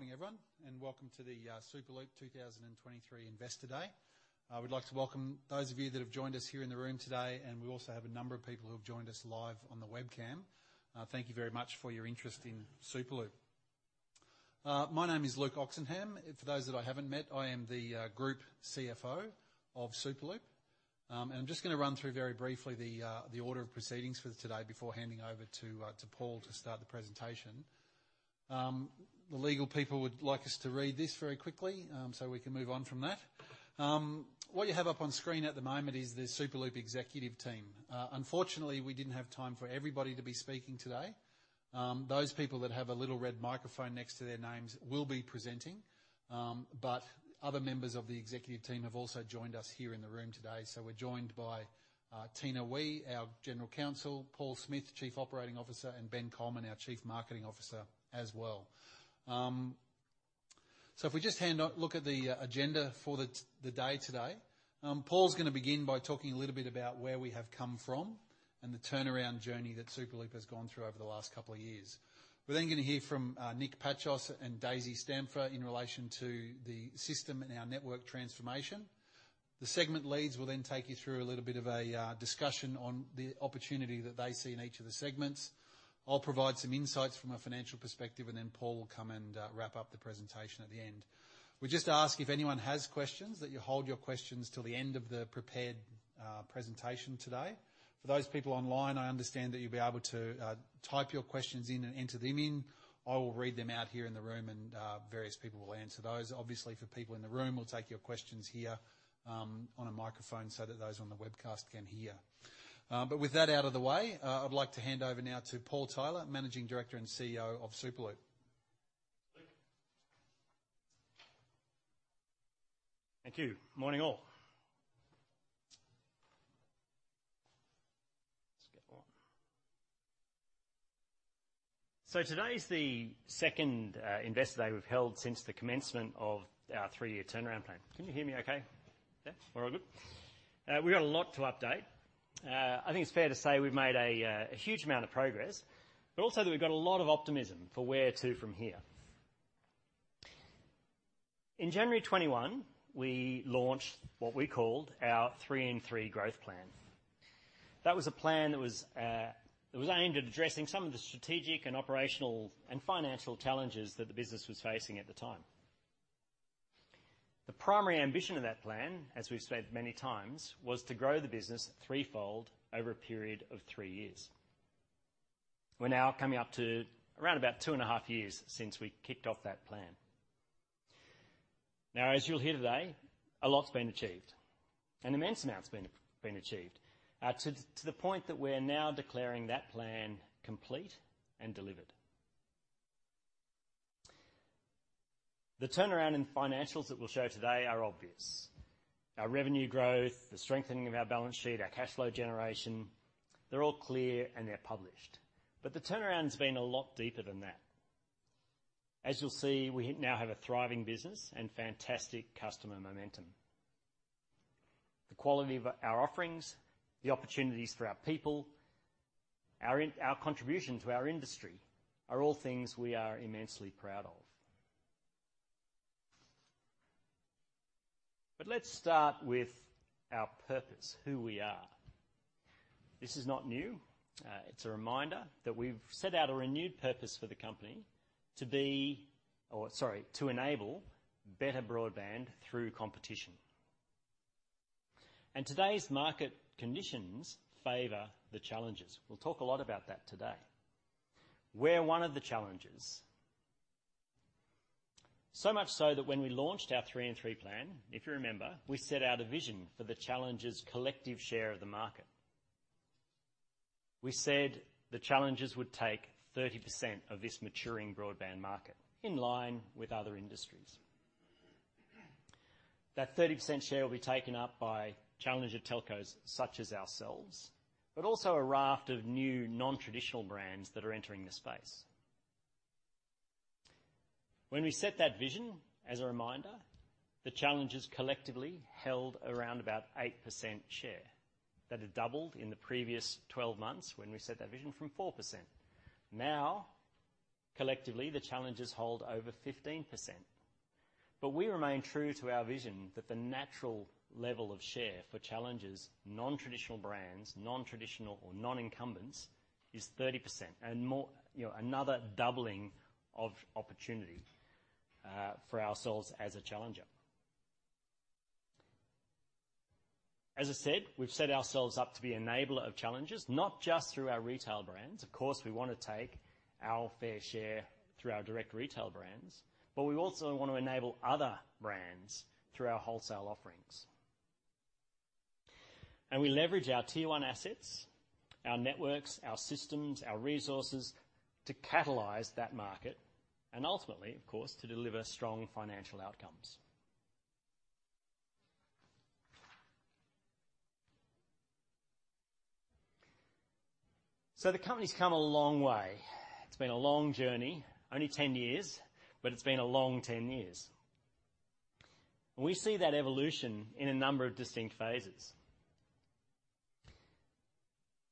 Good morning, everyone, and welcome to the Superloop 2023 Investor Day. I would like to welcome those of you that have joined us here in the room today. We also have a number of people who have joined us live on the webcam. Thank you very much for your interest in Superloop. My name is Luke Oxenham. For those that I haven't met, I am the Group CFO of Superloop. I'm just gonna run through very briefly the order of proceedings for today before handing over to Paul to start the presentation. The legal people would like us to read this very quickly, so we can move on from that. What you have up on screen at the moment is the Superloop executive team. Unfortunately, we didn't have time for everybody to be speaking today. Those people that have a little red microphone next to their names will be presenting, but other members of the executive team have also joined us here in the room today. We're joined by Tina Ooi, our General Counsel, Paul Smith, Chief Operating Officer, and Ben Colman, our Chief Marketing Officer as well. If we just look at the agenda for the day today, Paul's gonna begin by talking a little bit about where we have come from and the turnaround journey that Superloop has gone through over the last couple of years. We're then gonna hear from Nick Pachos and Daisey Stampfer in relation to the system and our network transformation. The segment leads will then take you through a little bit of a discussion on the opportunity that they see in each of the segments. I'll provide some insights from a financial perspective, and then Paul will come and wrap up the presentation at the end. We just ask, if anyone has questions, that you hold your questions till the end of the prepared presentation today. For those people online, I understand that you'll be able to type your questions in and enter them in. I will read them out here in the room and various people will answer those. Obviously, for people in the room, we'll take your questions here on a microphone so that those on the webcast can hear. With that out of the way, I'd like to hand over now to Paul Tyler, Managing Director and CEO of Superloop. Thank you. Morning, all. Let's get on. Today's the second Investor Day we've held since the commencement of our three-year turnaround plan. Can you hear me okay? Yeah. We're all good? We've got a lot to update. I think it's fair to say we've made a huge amount of progress, but also that we've got a lot of optimism for where to from here. In January 2021, we launched what we called our 3 in 3 growth plan. That was a plan that was aimed at addressing some of the strategic and operational and financial challenges that the business was facing at the time. The primary ambition of that plan, as we've said many times, was to grow the business threefold over a period of three years. We're now coming up to around about two and a half years since we kicked off that plan. As you'll hear today, a lot's been achieved. An immense amount's been achieved to the point that we're now declaring that plan complete and delivered. The turnaround in financials that we'll show today are obvious. Our revenue growth, the strengthening of our balance sheet, our cash flow generation, they're all clear and they're published. The turnaround's been a lot deeper than that. As you'll see, we now have a thriving business and fantastic customer momentum. The quality of our offerings, the opportunities for our people, our contribution to our industry are all things we are immensely proud of. Let's start with our purpose, who we are. This is not new. It's a reminder that we've set out a renewed purpose for the company to enable better broadband through competition. Today's market conditions favor the challengers. We'll talk a lot about that today. We're one of the challengers. Much so that when we launched our 3 in 3 plan, if you remember, we set out a vision for the challengers' collective share of the market. We said the challengers would take 30% of this maturing broadband market in line with other industries. That 30% share will be taken up by challenger telcos such as ourselves, but also a raft of new non-traditional brands that are entering the space. When we set that vision, as a reminder, the challengers collectively held around about 8% share. That had doubled in the previous 12 months when we set that vision from 4%. Now, collectively, the challengers hold over 15%. We remain true to our vision that the natural level of share for challengers, non-traditional brands, non-traditional or non-incumbents, is 30% and more, you know, another doubling of opportunity for ourselves as a challenger. As I said, we've set ourselves up to be enabler of challengers, not just through our retail brands. Of course, we wanna take our fair share through our direct retail brands, but we also wanna enable other brands through our wholesale offerings. We leverage our Tier 1 assets, our networks, our systems, our resources to catalyze that market and ultimately, of course, to deliver strong financial outcomes. The company's come a long way. It's been a long journey. Only 10 years, but it's been a long 10 years. We see that evolution in a number of distinct phases.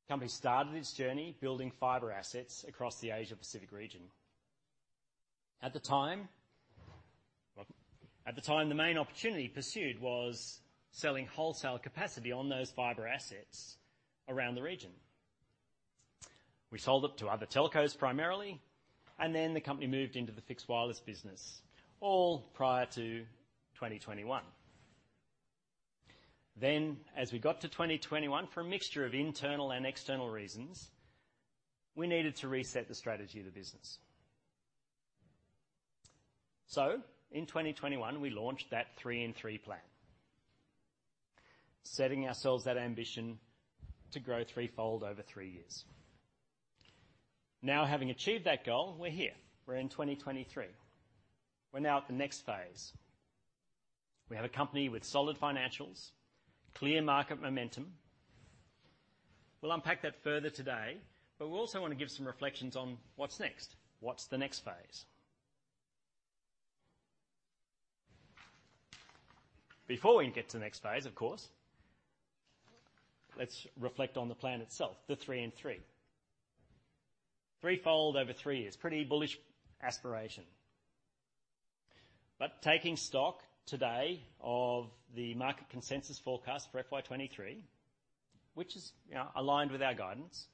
Company started its journey building fiber assets across the Asia Pacific region. At the time, the main opportunity pursued was selling wholesale capacity on those fiber assets around the region. We sold it to other telcos primarily, and then the company moved into the fixed wireless business, all prior to 2021. As we got to 2021, for a mixture of internal and external reasons, we needed to reset the strategy of the business. In 2021, we launched that 3 in 3 plan, setting ourselves that ambition to grow threefold over three years. Having achieved that goal, we're here. We're in 2023. We're now at the next phase. We have a company with solid financials, clear market momentum. We'll unpack that further today, but we also wanna give some reflections on what's next. What's the next phase? Before we get to the next phase, of course, let's reflect on the plan itself, the 3 in 3. Threefold over three years. Pretty bullish aspiration. Taking stock today of the market consensus forecast for FY 2023, which is, you know, aligned with our guidance,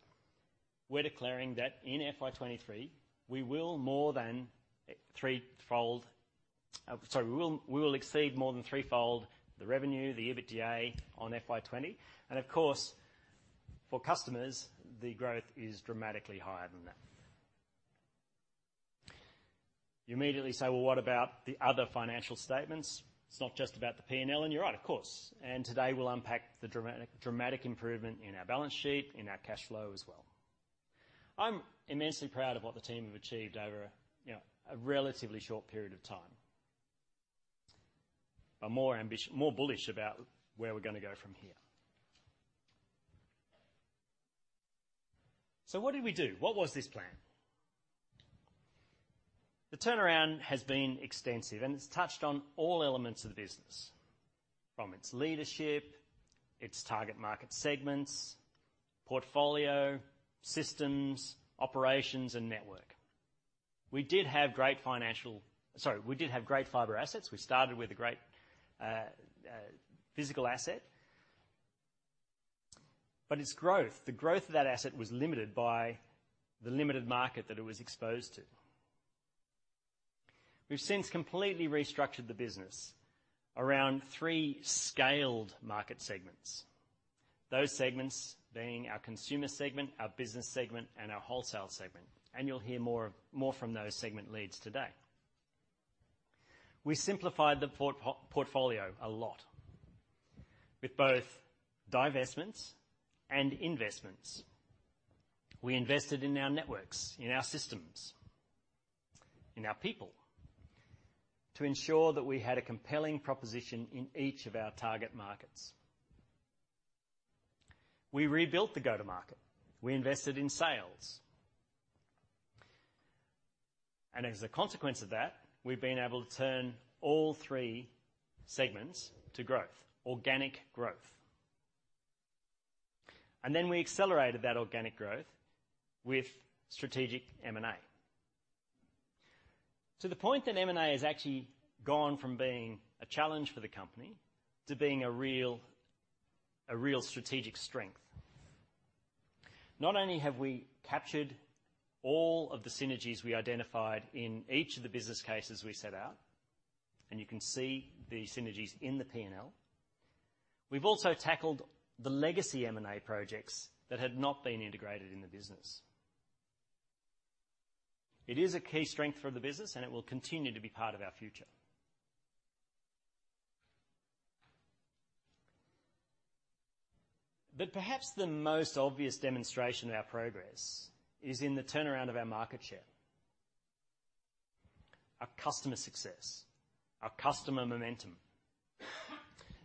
we're declaring that in FY 2023, we will more than threefold... Sorry. We will exceed more than threefold the revenue, the EBITDA on FY 2020. Of course, for customers, the growth is dramatically higher than that. You immediately say, "Well, what about the other financial statements? It's not just about the P&L." You're right, of course. Today, we'll unpack the dramatic improvement in our balance sheet, in our cash flow as well. I'm immensely proud of what the team have achieved over, you know, a relatively short period of time. More ambition... more bullish about where we're gonna go from here. What did we do? What was this plan? The turnaround has been extensive, and it's touched on all elements of the business, from its leadership, its target market segments, portfolio, systems, operations, and network. We did have great fiber assets. We started with a great physical asset. Its growth, the growth of that asset was limited by the limited market that it was exposed to. We've since completely restructured the business around three scaled market segments. Those segments being our consumer segment, our business segment, and our wholesale segment, and you'll hear more from those segment leads today. We simplified the portfolio a lot with both divestments and investments. We invested in our networks, in our systems, in our people to ensure that we had a compelling proposition in each of our target markets. We rebuilt the go-to-market. We invested in sales. As a consequence of that, we've been able to turn all three segments to growth, organic growth. Then we accelerated that organic growth with strategic M&A. To the point that M&A has actually gone from being a challenge for the company to being a real, a real strategic strength. Not only have we captured all of the synergies we identified in each of the business cases we set out, and you can see the synergies in the P&L, we've also tackled the legacy M&A projects that had not been integrated in the business. It is a key strength for the business, and it will continue to be part of our future. Perhaps the most obvious demonstration of our progress is in the turnaround of our market share, our customer success, our customer momentum.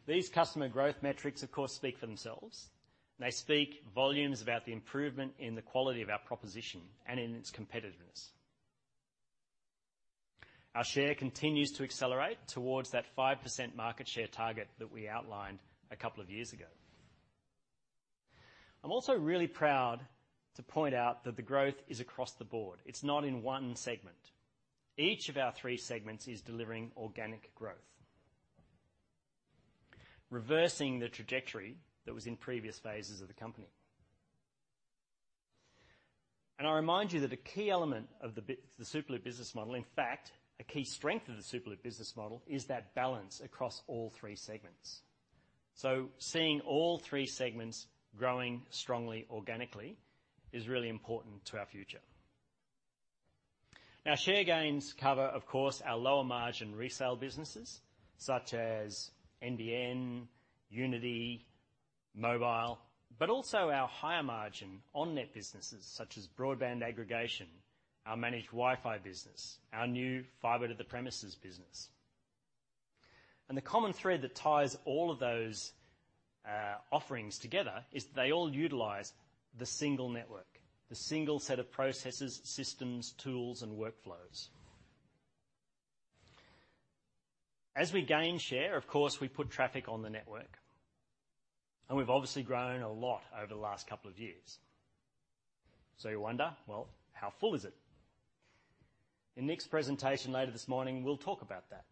These customer growth metrics, of course, speak for themselves. They speak volumes about the improvement in the quality of our proposition and in its competitiveness. Our share continues to accelerate towards that 5% market share target that we outlined a couple of years ago. I'm also really proud to point out that the growth is across the board. It's not in one segment. Each of our three segments is delivering organic growth, reversing the trajectory that was in previous phases of the company. I remind you that a key element of the Superloop business model, in fact, a key strength of the Superloop business model, is that balance across all three segments. Seeing all three segments growing strongly organically is really important to our future. Share gains cover, of course, our lower margin resale businesses such as NBN, Uniti, Mobile, but also our higher margin on-net businesses such as Broadband Aggregation, our managed Wi-Fi business, our new Fibre to the Premises business. The common thread that ties all of those offerings together is they all utilize the single network, the single set of processes, systems, tools, and workflows. As we gain share, of course, we put traffic on the network, and we've obviously grown a lot over the last couple of years. You wonder, well, how full is it? In Nick's presentation later this morning, we'll talk about that.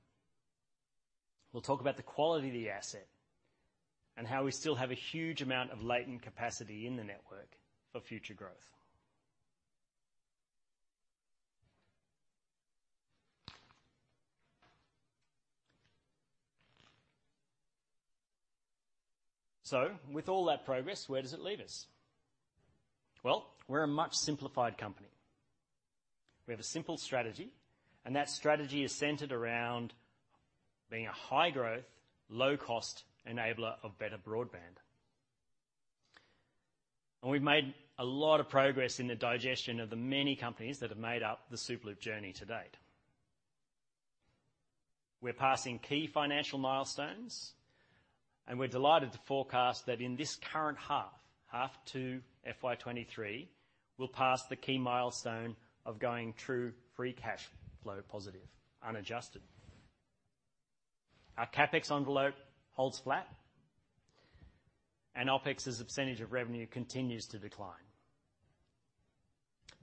We'll talk about the quality of the asset and how we still have a huge amount of latent capacity in the network for future growth. With all that progress, where does it leave us? Well, we're a much simplified company. We have a simple strategy, and that strategy is centered around being a high-growth, low-cost enabler of better broadband. We've made a lot of progress in the digestion of the many companies that have made up the Superloop journey to date. We're passing key financial milestones, and we're delighted to forecast that in this current half, half two FY 2023, we'll pass the key milestone of going true free cash flow positive, unadjusted. Our CapEx envelope holds flat, and OpEx as a % of revenue continues to decline.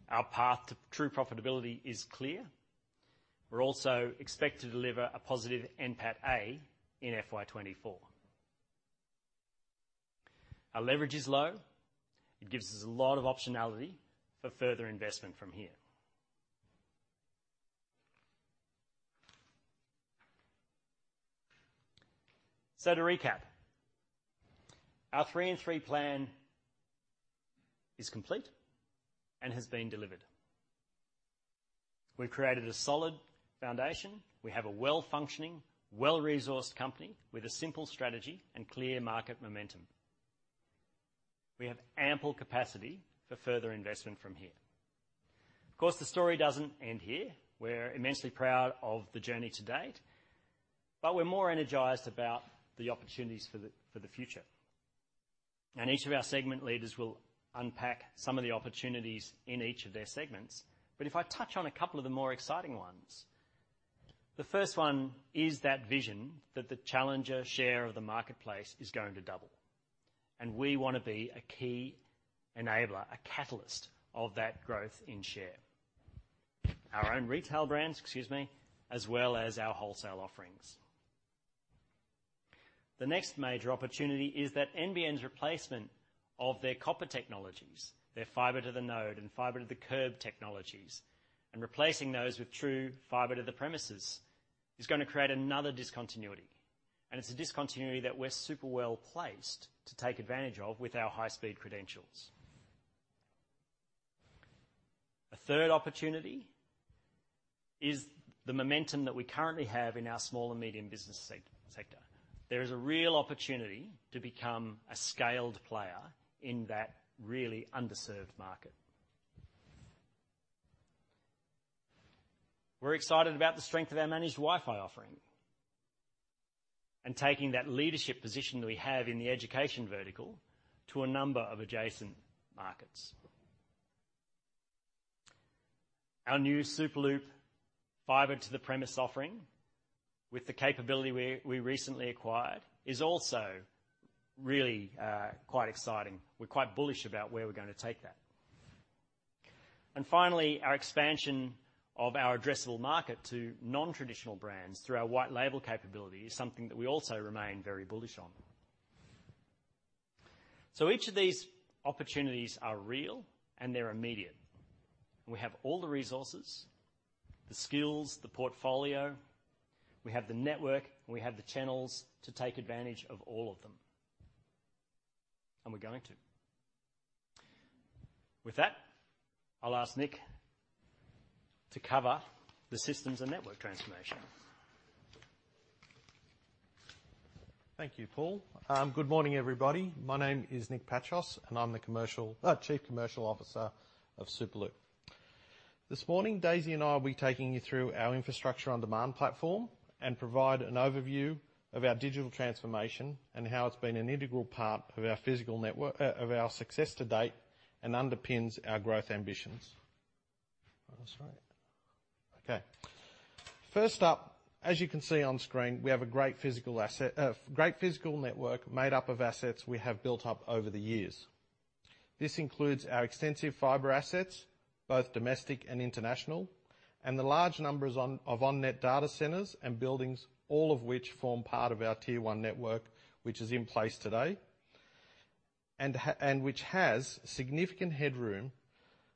Our path to true profitability is clear. We're also expected to deliver a positive NPAT-A in FY 2024. Our leverage is low. It gives us a lot of optionality for further investment from here. To recap, our 3 in 3 plan is complete and has been delivered. We've created a solid foundation. We have a well-functioning, well-resourced company with a simple strategy and clear market momentum. We have ample capacity for further investment from here. Of course, the story doesn't end here. We're immensely proud of the journey to date, but we're more energized about the opportunities for the future. Each of our segment leaders will unpack some of the opportunities in each of their segments. If I touch on a couple of the more exciting ones, the first one is that vision that the challenger share of the marketplace is going to double, and we wanna be a key enabler, a catalyst of that growth in share. Our own retail brands, excuse me, as well as our wholesale offerings. The next major opportunity is that NBN's replacement of their copper technologies, their Fibre to the Node and Fibre to the Curb technologies, and replacing those with true Fibre to the Premises, is gonna create another discontinuity. It's a discontinuity that we're super well-placed to take advantage of with our high-speed credentials. A third opportunity is the momentum that we currently have in our small and medium business sector. There is a real opportunity to become a scaled player in that really underserved market. We're excited about the strength of our managed Wi-Fi offering and taking that leadership position that we have in the education vertical to a number of adjacent markets. Our new Superloop Fibre to the premise offering, with the capability we recently acquired, is also really quite exciting. We're quite bullish about where we're gonna take that. Finally, our expansion of our addressable market to non-traditional brands through our white label capability is something that we also remain very bullish on. Each of these opportunities are real, and they're immediate. We have all the resources, the skills, the portfolio. We have the network, and we have the channels to take advantage of all of them, and we're going to. With that, I'll ask Nick Pachos to cover the systems and network transformation. Thank you, Paul. Good morning, everybody. My name is Nick Pachos, and I'm the Chief Commercial Officer of Superloop. This morning, Daisey and I will be taking you through our Infrastructure-on-Demand platform and provide an overview of our digital transformation and how it's been an integral part of our physical network of our success to date and underpins our growth ambitions. That's right. Okay. First up, as you can see on screen, we have a great physical asset, a great physical network made up of assets we have built up over the years. This includes our extensive Fibre assets, both domestic and international, and the large numbers on, of on-net data centers and buildings, all of which form part of our Tier 1 network, which is in place today. which has significant headroom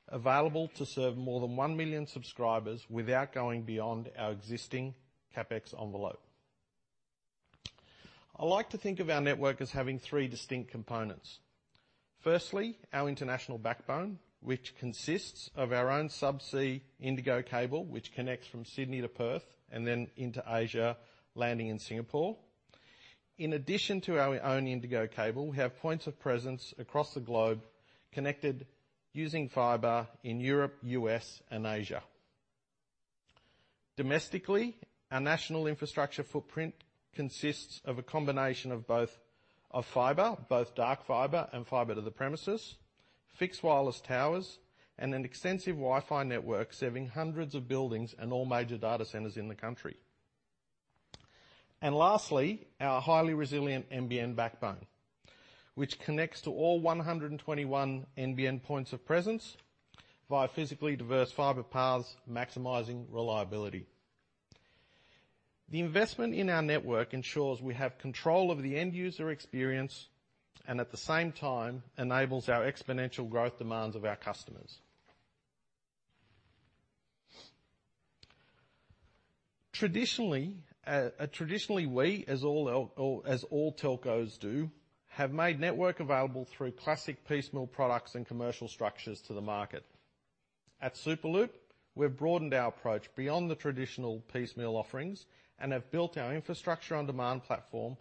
available to serve more than 1 million subscribers without going beyond our existing CapEx envelope. I like to think of our network as having three distinct components. Firstly, our international backbone, which consists of our own subsea INDIGO cable, which connects from Sydney to Perth and then into Asia, landing in Singapore. In addition to our own INDIGO cable, we have points of presence across the globe connected using fiber in Europe, U.S., and Asia. Domestically, our national infrastructure footprint consists of a combination of both, of fiber, both dark fiber and Fibre to the Premises, fixed wireless towers, and an extensive Wi-Fi network serving hundreds of buildings and all major data centers in the country. Lastly, our highly resilient NBN backbone, which connects to all 121 NBN points of presence via physically diverse fiber paths, maximizing reliability. The investment in our network ensures we have control over the end user experience, and at the same time enables our exponential growth demands of our customers. Traditionally, traditionally we, or as all telcos do, have made network available through classic piecemeal products and commercial structures to the market. At Superloop, we've broadened our approach beyond the traditional piecemeal offerings and have built our Infrastructure-on-Demand platform,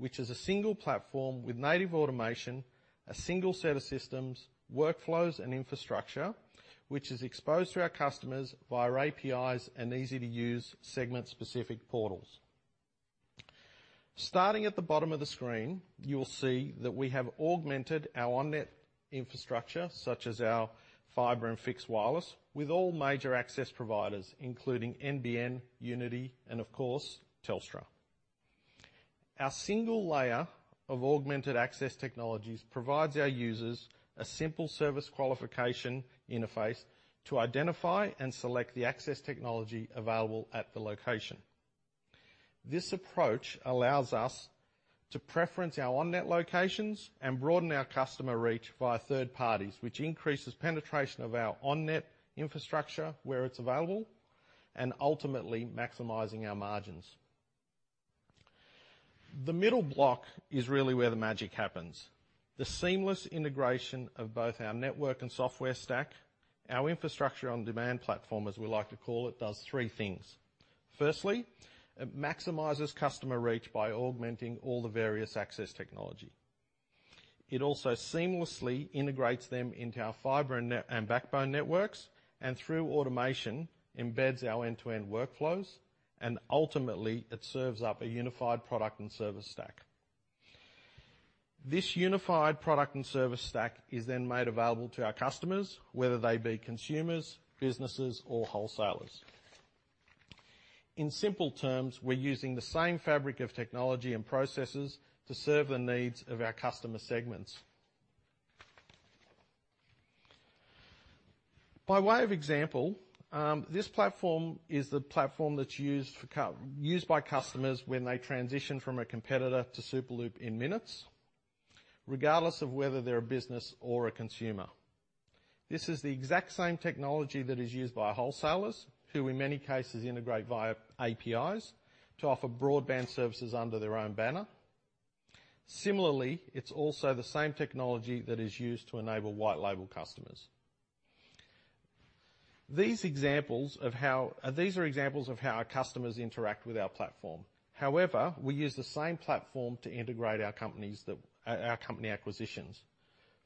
which is a single platform with native automation, a single set of systems, workflows, and infrastructure, which is exposed to our customers via APIs and easy-to-use segment-specific portals. Starting at the bottom of the screen, you will see that we have augmented our on-net infrastructure, such as our Fibre and fixed wireless, with all major access providers, including NBN, Uniti, and of course, Telstra. Our single layer of augmented access technologies provides our users a simple service qualification interface to identify and select the access technology available at the location. This approach allows us to preference our on-net locations and broaden our customer reach via third parties, which increases penetration of our on-net infrastructure where it's available, and ultimately maximizing our margins. The middle block is really where the magic happens. The seamless integration of both our network and software stack, our Infrastructure-on-Demand platform, as we like to call it, does three things. Firstly, it maximizes customer reach by augmenting all the various access technology. It also seamlessly integrates them into our fiber and net, and backbone networks, and through automation, embeds our end-to-end workflows, and ultimately, it serves up a unified product and service stack. This unified product and service stack is made available to our customers, whether they be consumers, businesses, or wholesalers. In simple terms, we're using the same fabric of technology and processes to serve the needs of our customer segments. By way of example, this platform is the platform that's used by customers when they transition from a competitor to Superloop in minutes, regardless of whether they're a business or a consumer. This is the exact same technology that is used by wholesalers, who in many cases integrate via APIs to offer broadband services under their own banner. Similarly, it's also the same technology that is used to enable white label customers. These are examples of how our customers interact with our platform. We use the same platform to integrate our company acquisitions.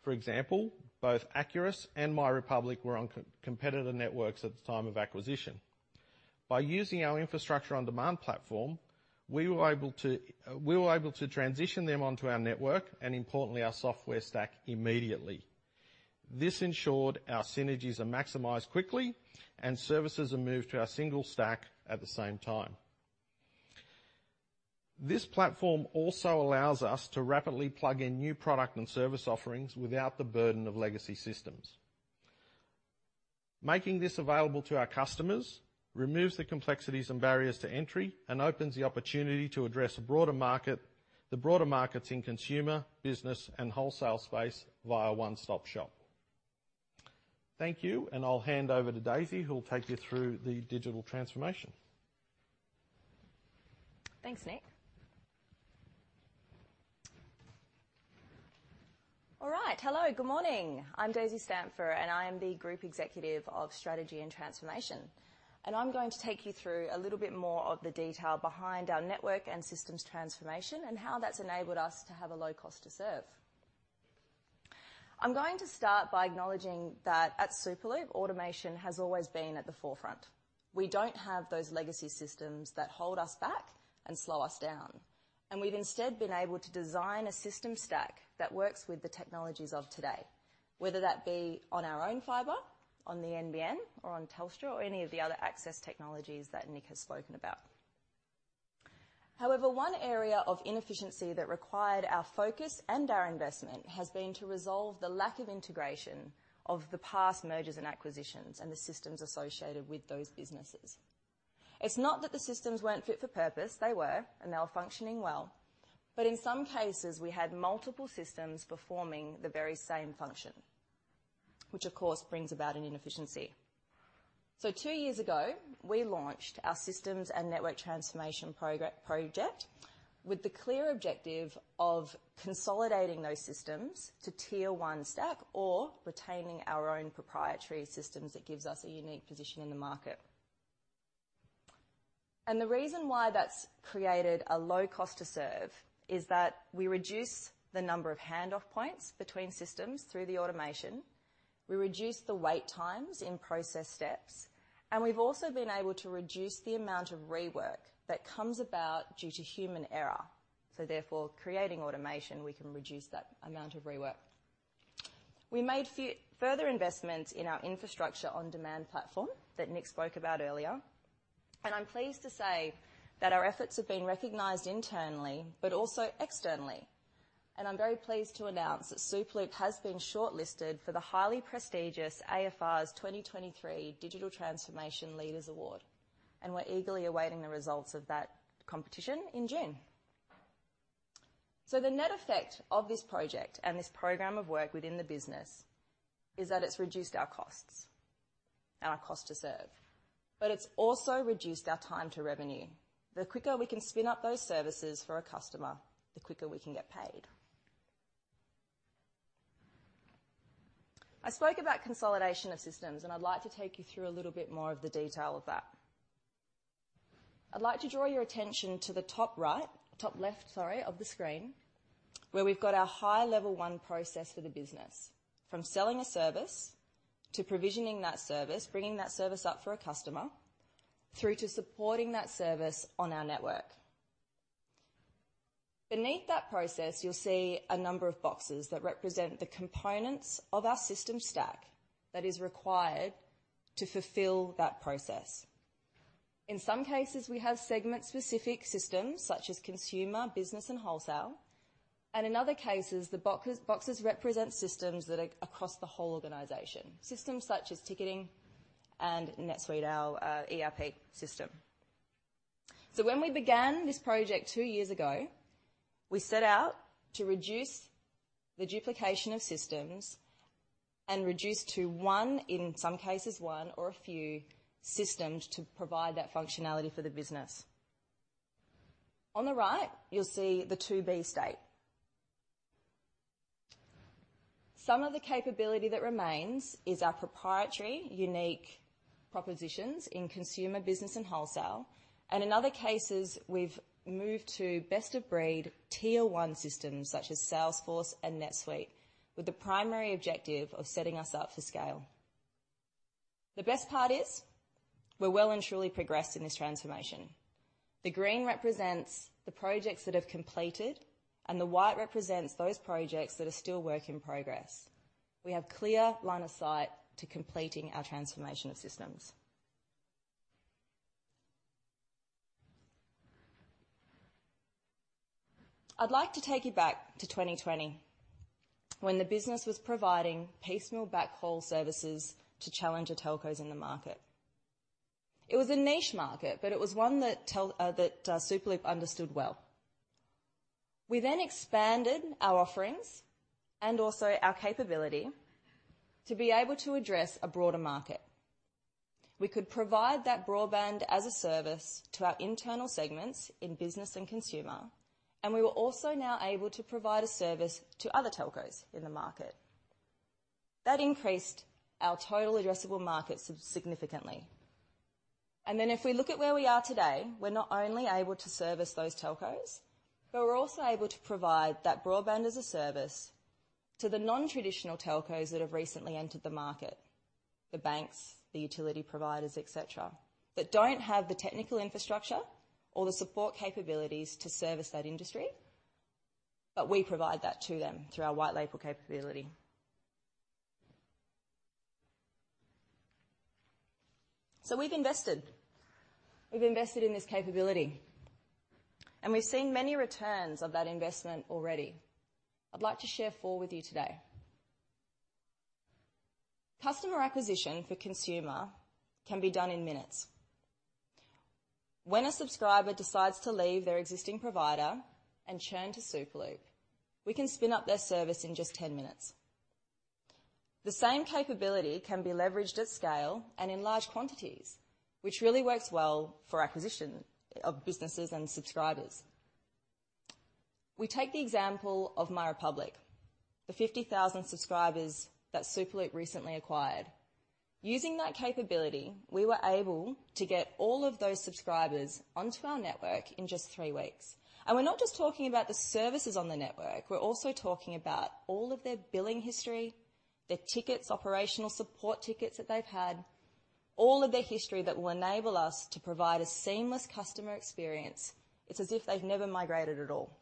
For example, both Acurus and MyRepublic were on competitive networks at the time of acquisition. By using our Infrastructure-on-Demand platform, we were able to transition them onto our network, and importantly, our software stack immediately. This ensured our synergies are maximized quickly and services are moved to our single stack at the same time. This platform also allows us to rapidly plug in new product and service offerings without the burden of legacy systems. Making this available to our customers removes the complexities and barriers to entry and opens the opportunity to address a broader market, the broader markets in consumer, business, and wholesale space via one-stop shop. Thank you. I'll hand over to Daisey Stampfer, who will take you through the digital transformation. Thanks, Nick. All right. Hello, good morning. I'm Daisey Stampfer, and I am the Group Executive of Strategy and Transformation. I'm going to take you through a little bit more of the detail behind our network and systems transformation and how that's enabled us to have a low cost to serve. I'm going to start by acknowledging that at Superloop, automation has always been at the forefront. We don't have those legacy systems that hold us back and slow us down. We've instead been able to design a system stack that works with the technologies of today, whether that be on our own fiber, on the NBN, or on Telstra or any of the other access technologies that Nick has spoken about. One area of inefficiency that required our focus and our investment has been to resolve the lack of integration of the past mergers and acquisitions and the systems associated with those businesses. It's not that the systems weren't fit for purpose, they were, and they were functioning well. In some cases, we had multiple systems performing the very same function, which of course brings about an inefficiency. Two years ago, we launched our systems and network transformation project with the clear objective of consolidating those systems to Tier 1 stack or retaining our own proprietary systems that gives us a unique position in the market. The reason why that's created a low cost to serve is that we reduce the number of hand-off points between systems through the automation. We reduced the wait times in process steps, and we've also been able to reduce the amount of rework that comes about due to human error. Therefore, creating automation, we can reduce that amount of rework. We made further investments in our Infrastructure-on-Demand platform that Nick spoke about earlier, and I'm pleased to say that our efforts have been recognized internally, but also externally. I'm very pleased to announce that Superloop has been shortlisted for the highly prestigious AFR's 2023 Digital Transformation Leaders Awards, and we're eagerly awaiting the results of that competition in June. The net effect of this project and this program of work within the business is that it's reduced our costs and our cost to serve, but it's also reduced our time to revenue. The quicker we can spin up those services for a customer, the quicker we can get paid. I spoke about consolidation of systems, I'd like to take you through a little bit more of the detail of that. I'd like to draw your attention to the top left, sorry, of the screen, where we've got our High-Level 1 process for the business, from selling a service, to provisioning that service, bringing that service up for a customer, through to supporting that service on our network. Beneath that process, you'll see a number of boxes that represent the components of our system stack that is required to fulfill that process. In some cases, we have segment-specific systems such as consumer, business, and wholesale. In other cases, the boxes represent systems that are across the whole organization, systems such as ticketing and NetSuite, our ERP system. When we began this project two years ago, we set out to reduce the duplication of systems and reduce to one, in some cases, one or a few systems to provide that functionality for the business. On the right, you'll see the to-be state. Some of the capability that remains is our proprietary, unique propositions in consumer business and wholesale. In other cases, we've moved to best-of-breed Tier 1 systems such as Salesforce and NetSuite, with the primary objective of setting us up for scale. The best part is we're well and truly progressed in this transformation. The green represents the projects that have completed, and the white represents those projects that are still work in progress. We have clear line of sight to completing our transformation of systems. I'd like to take you back to 2020, when the business was providing piecemeal backhaul services to challenger telcos in the market. It was a niche market, but it was one that Superloop understood well. We expanded our offerings and also our capability to be able to address a broader market. We could provide that broadband as a service to our internal segments in business and consumer, and we were also now able to provide a service to other telcos in the market. That increased our total addressable market significantly. If we look at where we are today, we're not only able to service those telcos, but we're also able to provide that broadband as a service to the non-traditional telcos that have recently entered the market, the banks, the utility providers, et cetera, that don't have the technical infrastructure or the support capabilities to service that industry. We provide that to them through our white label capability. We've invested. We've invested in this capability, and we've seen many returns of that investment already. I'd like to share four with you today. Customer acquisition for consumer can be done in minutes. When a subscriber decides to leave their existing provider and churn to Superloop, we can spin up their service in just 10 minutes. The same capability can be leveraged at scale and in large quantities, which really works well for acquisition of businesses and subscribers. We take the example of MyRepublic, the 50,000 subscribers that Superloop recently acquired. Using that capability, we were able to get all of those subscribers onto our network in just three weeks. We're not just talking about the services on the network, we're also talking about all of their billing history, their tickets, operational support tickets that they've had, all of their history that will enable us to provide a seamless customer experience. It's as if they've never migrated at all.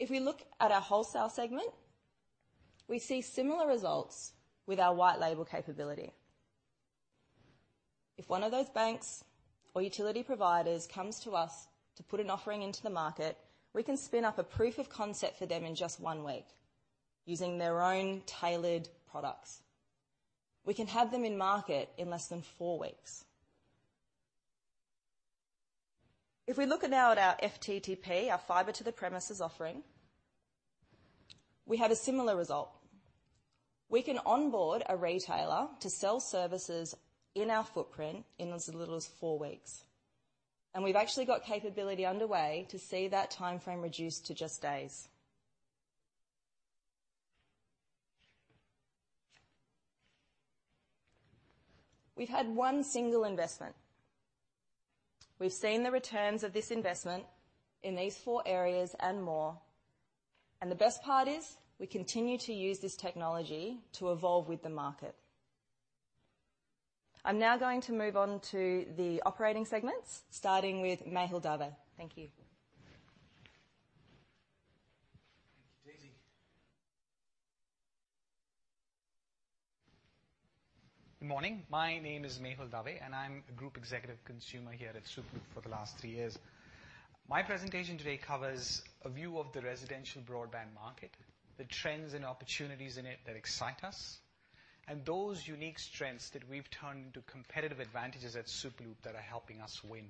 If we look at our wholesale segment, we see similar results with our white label capability. If one of those banks or utility providers comes to us to put an offering into the market, we can spin up a proof of concept for them in just 1 week using their own tailored products. We can have them in market in less than four weeks. If we look at now at our FTTP, our Fibre to the Premises offering, we have a similar result. We can onboard a retailer to sell services in our footprint in as little as four weeks, and we've actually got capability underway to see that timeframe reduced to just days. We've had one single investment. We've seen the returns of this investment in these four areas and more, and the best part is we continue to use this technology to evolve with the market. I'm now going to move on to the operating segments, starting with Mehul Dave. Thank you. Thank you, Daisey. Good morning. My name is Mehul Dave, and I'm a Group Executive Consumer here at Superloop for the last three years. My presentation today covers a view of the residential broadband market, the trends and opportunities in it that excite us, and those unique strengths that we've turned into competitive advantages at Superloop that are helping us win.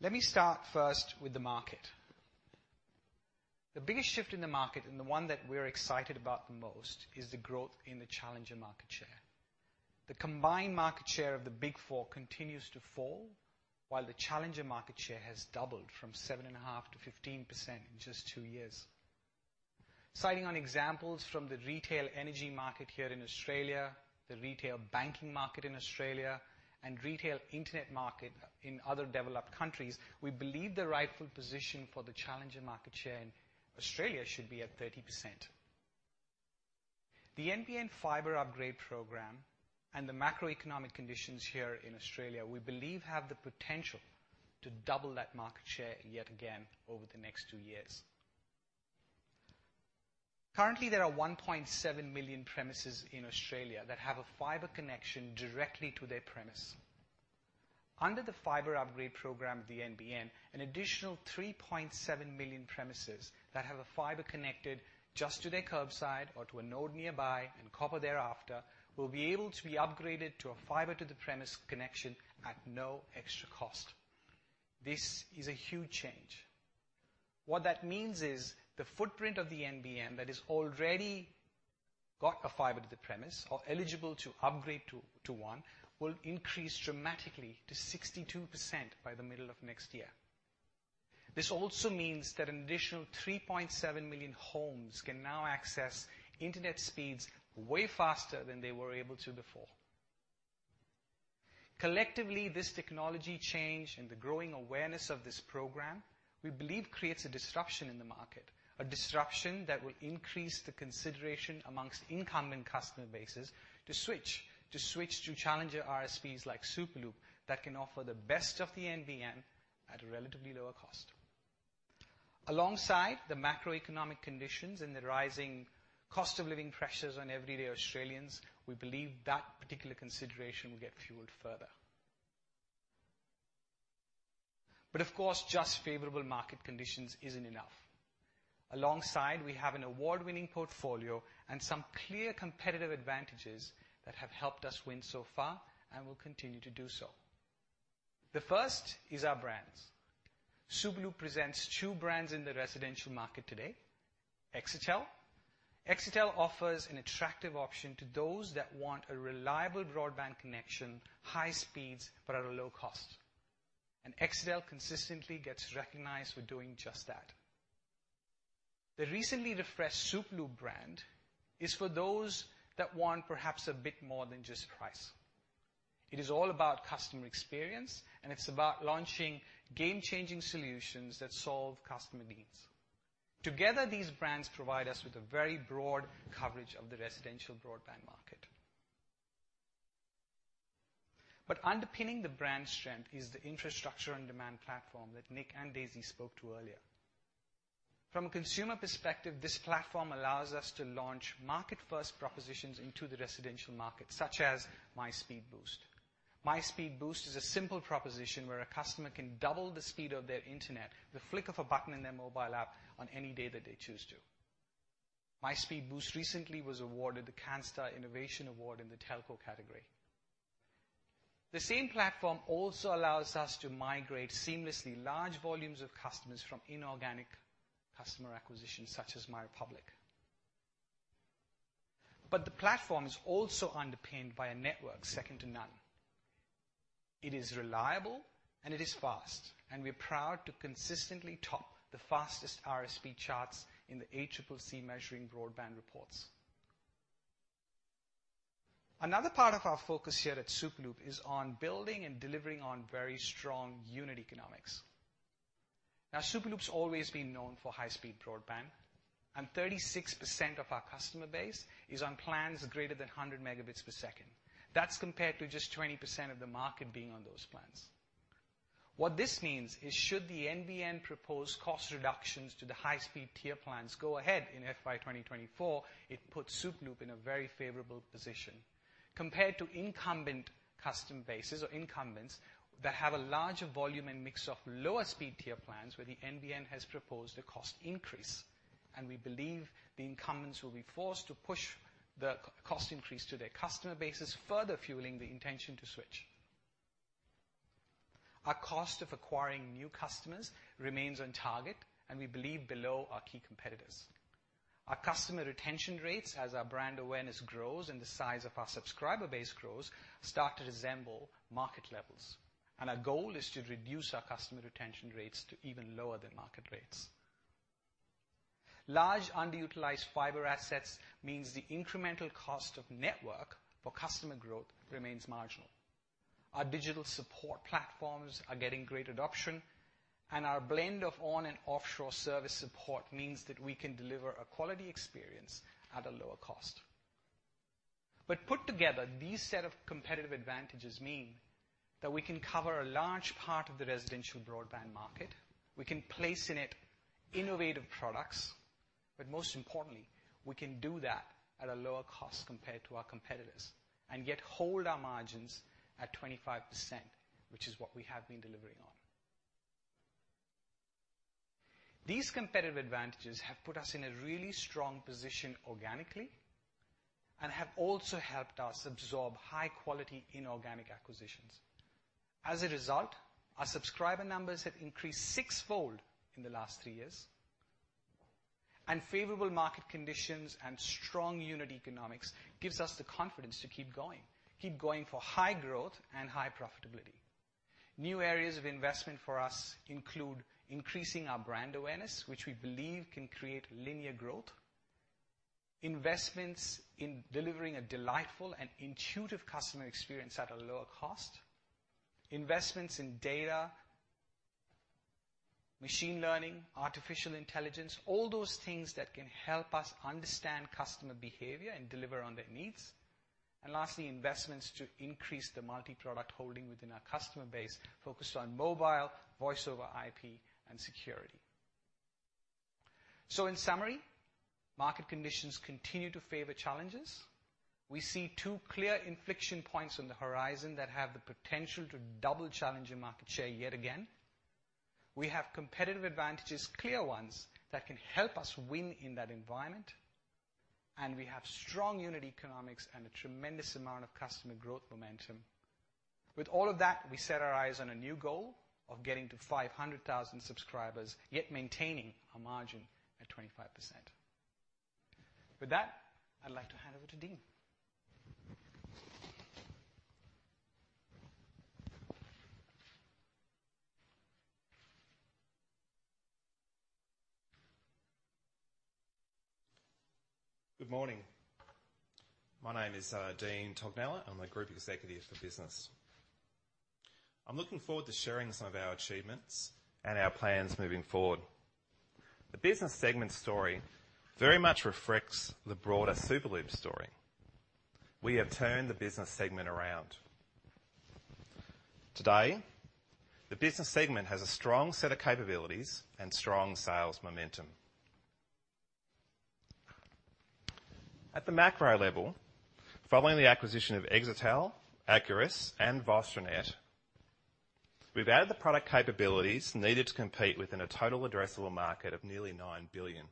Let me start first with the market. The biggest shift in the market, and the one that we're excited about the most, is the growth in the challenger market share. The combined market share of the Big Four continues to fall, while the challenger market share has doubled from 7.5%-15% in just two years. Citing on examples from the retail energy market here in Australia, the retail banking market in Australia, and retail internet market in other developed countries, we believe the rightful position for the challenger market share in Australia should be at 30%. The NBN Fibre upgrade program and the macroeconomic conditions here in Australia, we believe, have the potential to double that market share yet again over the next two years. Currently, there are 1.7 million premises in Australia that have a Fibre connection directly to their premise. Under the Fibre upgrade program of the NBN, an additional 3.7 million premises that have a Fibre connected just to their curbside or to a node nearby and copper thereafter, will be able to be upgraded to a Fibre to the Premises connection at no extra cost. This is a huge change. What that means is the footprint of the NBN that has already got a Fibre to the Premises or eligible to upgrade to one will increase dramatically to 62% by the middle of next year. This also means that an additional 3.7 million homes can now access internet speeds way faster than they were able to before. Collectively, this technology change and the growing awareness of this program, we believe creates a disruption in the market, a disruption that will increase the consideration amongst incumbent customer bases to switch, to switch to challenger ISPs like Superloop that can offer the best of the NBN at a relatively lower cost. Alongside the macroeconomic conditions and the rising cost of living pressures on everyday Australians, we believe that particular consideration will get fueled further. Of course, just favorable market conditions isn't enough. Alongside, we have an award-winning portfolio and some clear competitive advantages that have helped us win so far and will continue to do so. The first is our brands. Superloop presents two brands in the residential market today. Exetel. Exetel offers an attractive option to those that want a reliable broadband connection, high speeds, but at a low cost. Exetel consistently gets recognized for doing just that. The recently refreshed Superloop brand is for those that want perhaps a bit more than just price. It is all about customer experience, and it's about launching game-changing solutions that solve customer needs. Together, these brands provide us with a very broad coverage of the residential broadband market. Underpinning the brand strength is the infrastructure and demand platform that Nick and Daisey spoke to earlier. From a consumer perspective, this platform allows us to launch market-first propositions into the residential market, such as My Speed Boost. My Speed Boost is a simple proposition where a customer can double the speed of their internet with the flick of a button in their mobile app on any day that they choose to. My Speed Boost recently was awarded the Canstar Innovation Award in the telco category. The same platform also allows us to migrate seamlessly large volumes of customers from inorganic customer acquisitions such as MyRepublic. The platform is also underpinned by a network second to none. It is reliable, and it is fast, and we're proud to consistently top the fastest ISP charts in the ACCC Measuring Broadband reports. Another part of our focus here at Superloop is on building and delivering on very strong unit economics. Superloop's always been known for high-speed broadband, and 36% of our customer base is on plans greater than 100 Mbps. That's compared to just 20% of the market being on those plans. What this means is should the NBN propose cost reductions to the high-speed tier plans go ahead in FY 2024, it puts Superloop in a very favorable position compared to incumbent custom bases or incumbents that have a larger volume and mix of lower speed tier plans where the NBN has proposed a cost increase. We believe the incumbents will be forced to push the cost increase to their customer bases, further fueling the intention to switch. Our cost of acquiring new customers remains on target, and we believe below our key competitors. Our customer retention rates, as our brand awareness grows and the size of our subscriber base grows, start to resemble market levels, and our goal is to reduce our customer retention rates to even lower than market rates. Large underutilized Fibre assets means the incremental cost of network for customer growth remains marginal. Put together, these set of competitive advantages mean that we can cover a large part of the residential broadband market, we can place in it innovative products, but most importantly, we can do that at a lower cost compared to our competitors, and yet hold our margins at 25%, which is what we have been delivering on. These competitive advantages have put us in a really strong position organically and have also helped us absorb high quality inorganic acquisitions. Our subscriber numbers have increased sixfold in the last three years. Favorable market conditions and strong unit economics gives us the confidence to keep going for high growth and high profitability. New areas of investment for us include increasing our brand awareness, which we believe can create linear growth. Investments in delivering a delightful and intuitive customer experience at a lower cost. Investments in data, machine learning, artificial intelligence, all those things that can help us understand customer behavior and deliver on their needs. Investments to increase the multi-product holding within our customer base, focused on mobile, VoIP, and security. Market conditions continue to favor challenges. We see two clear inflection points on the horizon that have the potential to double challenge and market share yet again. We have competitive advantages, clear ones, that can help us win in that environment, and we have strong unit economics and a tremendous amount of customer growth momentum. With all of that, we set our eyes on a new goal of getting to 500,000 subscribers, yet maintaining our margin at 25%. With that, I'd like to hand over to Dean. Good morning. My name is Dean Tognella. I'm the Group Executive for Business. I'm looking forward to sharing some of our achievements and our plans moving forward. The business segment story very much reflects the broader Superloop story. We have turned the business segment around. Today, the business segment has a strong set of capabilities and strong sales momentum. At the macro level, following the acquisition of Exetel, Acurus, and VostroNet, we've added the product capabilities needed to compete within a total addressable market of nearly 9 billion.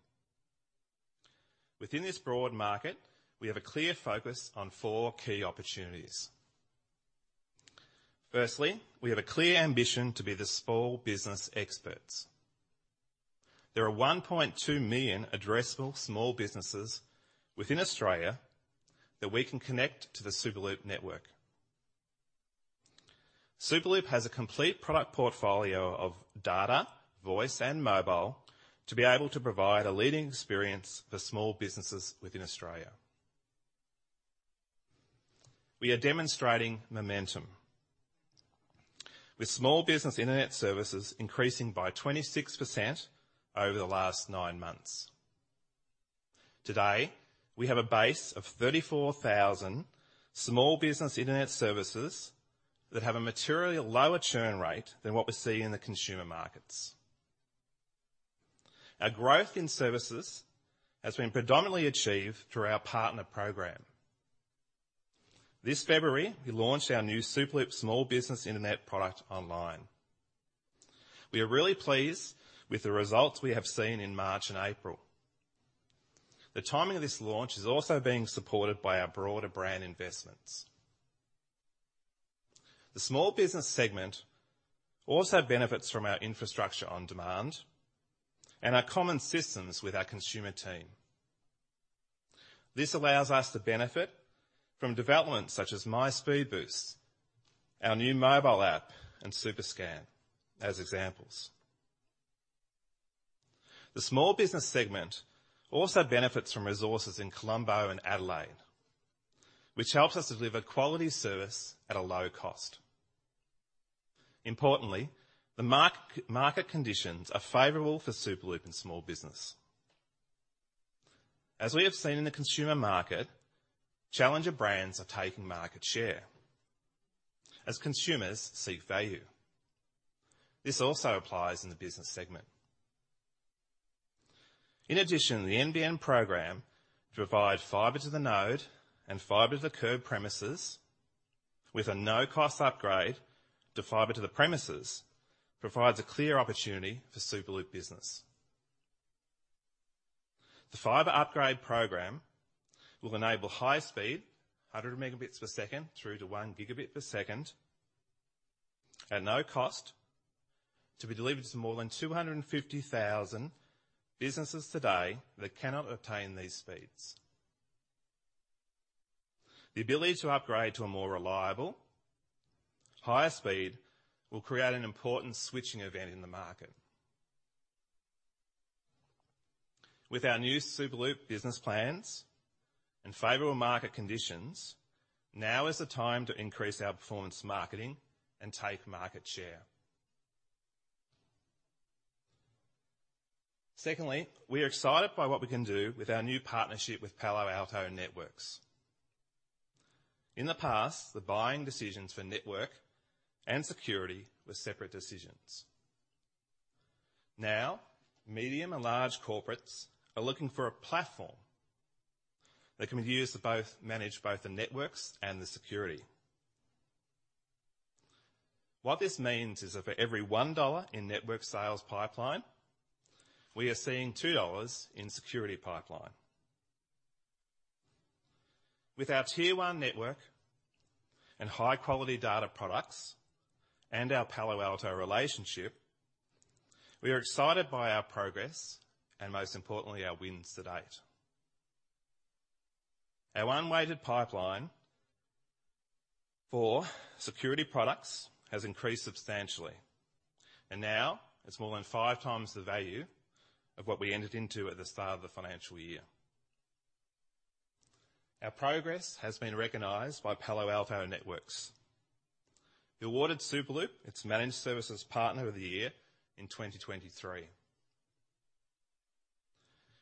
Within this broad market, we have a clear focus on four key opportunities. Firstly, we have a clear ambition to be the small business experts. There are 1.2 million addressable small businesses within Australia that we can connect to the Superloop network. Superloop has a complete product portfolio of data, voice, and mobile to be able to provide a leading experience for small businesses within Australia. We are demonstrating momentum with small business internet services increasing by 26% over the last nine months. Today, we have a base of 34,000 small business internet services that have a materially lower churn rate than what we see in the consumer markets. Our growth in services has been predominantly achieved through our partner program. This February, we launched our new Superloop small business internet product online. We are really pleased with the results we have seen in March and April. The timing of this launch is also being supported by our broader brand investments. The small business segment also benefits from our infrastructure on demand and our common systems with our consumer team. This allows us to benefit from developments such as My Speed Boost, our new mobile app, and SuperScan, as examples. The small business segment also benefits from resources in Colombo and Adelaide, which helps us deliver quality service at a low cost. Importantly, market conditions are favorable for Superloop and small business. As we have seen in the consumer market, challenger brands are taking market share as consumers seek value. This also applies in the business segment. In addition, the NBN program provide Fibre to the Node and Fibre to the Curb premises with a no-cost upgrade to Fibre to the Premises, provides a clear opportunity for Superloop business. The fiber upgrade program will enable high speed, 100 Mbps through to 1 Gbps, at no cost to be delivered to more than 250,000 businesses today that cannot obtain these speeds. The ability to upgrade to a more reliable, higher speed will create an important switching event in the market. With our new Superloop business plans and favorable market conditions, now is the time to increase our performance marketing and take market share. We are excited by what we can do with our new partnership with Palo Alto Networks. In the past, the buying decisions for network and security were separate decisions. Now, medium and large corporates are looking for a platform that can be used to both manage both the networks and the security. What this means is that for every 1 dollar in network sales pipeline, we are seeing 2 dollars in security pipeline. With our Tier 1 network and high-quality data products and our Palo Alto relationship, we are excited by our progress and most importantly, our wins to date. Our unweighted pipeline for security products has increased substantially, and now it's more than five times the value of what we ended into at the start of the financial year. Our progress has been recognized by Palo Alto Networks, who awarded Superloop its Managed Services Partner of the Year in 2023.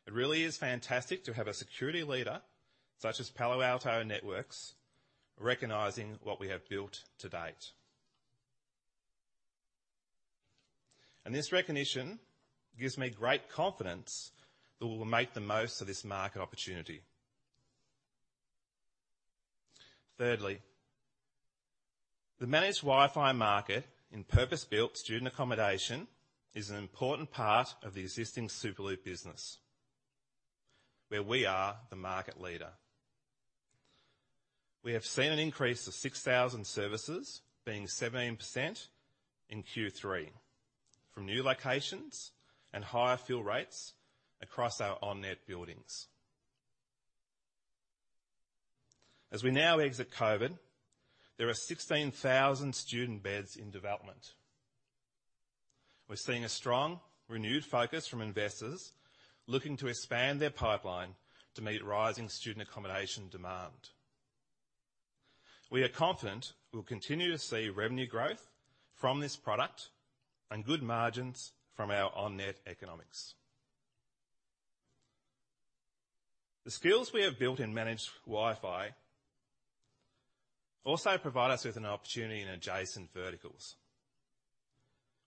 It really is fantastic to have a security leader such as Palo Alto Networks recognizing what we have built to date. This recognition gives me great confidence that we will make the most of this market opportunity. Thirdly, the managed Wi-Fi market in purpose-built student accommodation is an important part of the existing Superloop business, where we are the market leader. We have seen an increase of 6,000 services, being 17% in Q3 from new locations and higher fill rates across our on-net buildings. As we now exit COVID, there are 16,000 student beds in development. We're seeing a strong, renewed focus from investors looking to expand their pipeline to meet rising student accommodation demand. We are confident we'll continue to see revenue growth from this product and good margins from our on-net economics. The skills we have built in managed Wi-Fi also provide us with an opportunity in adjacent verticals.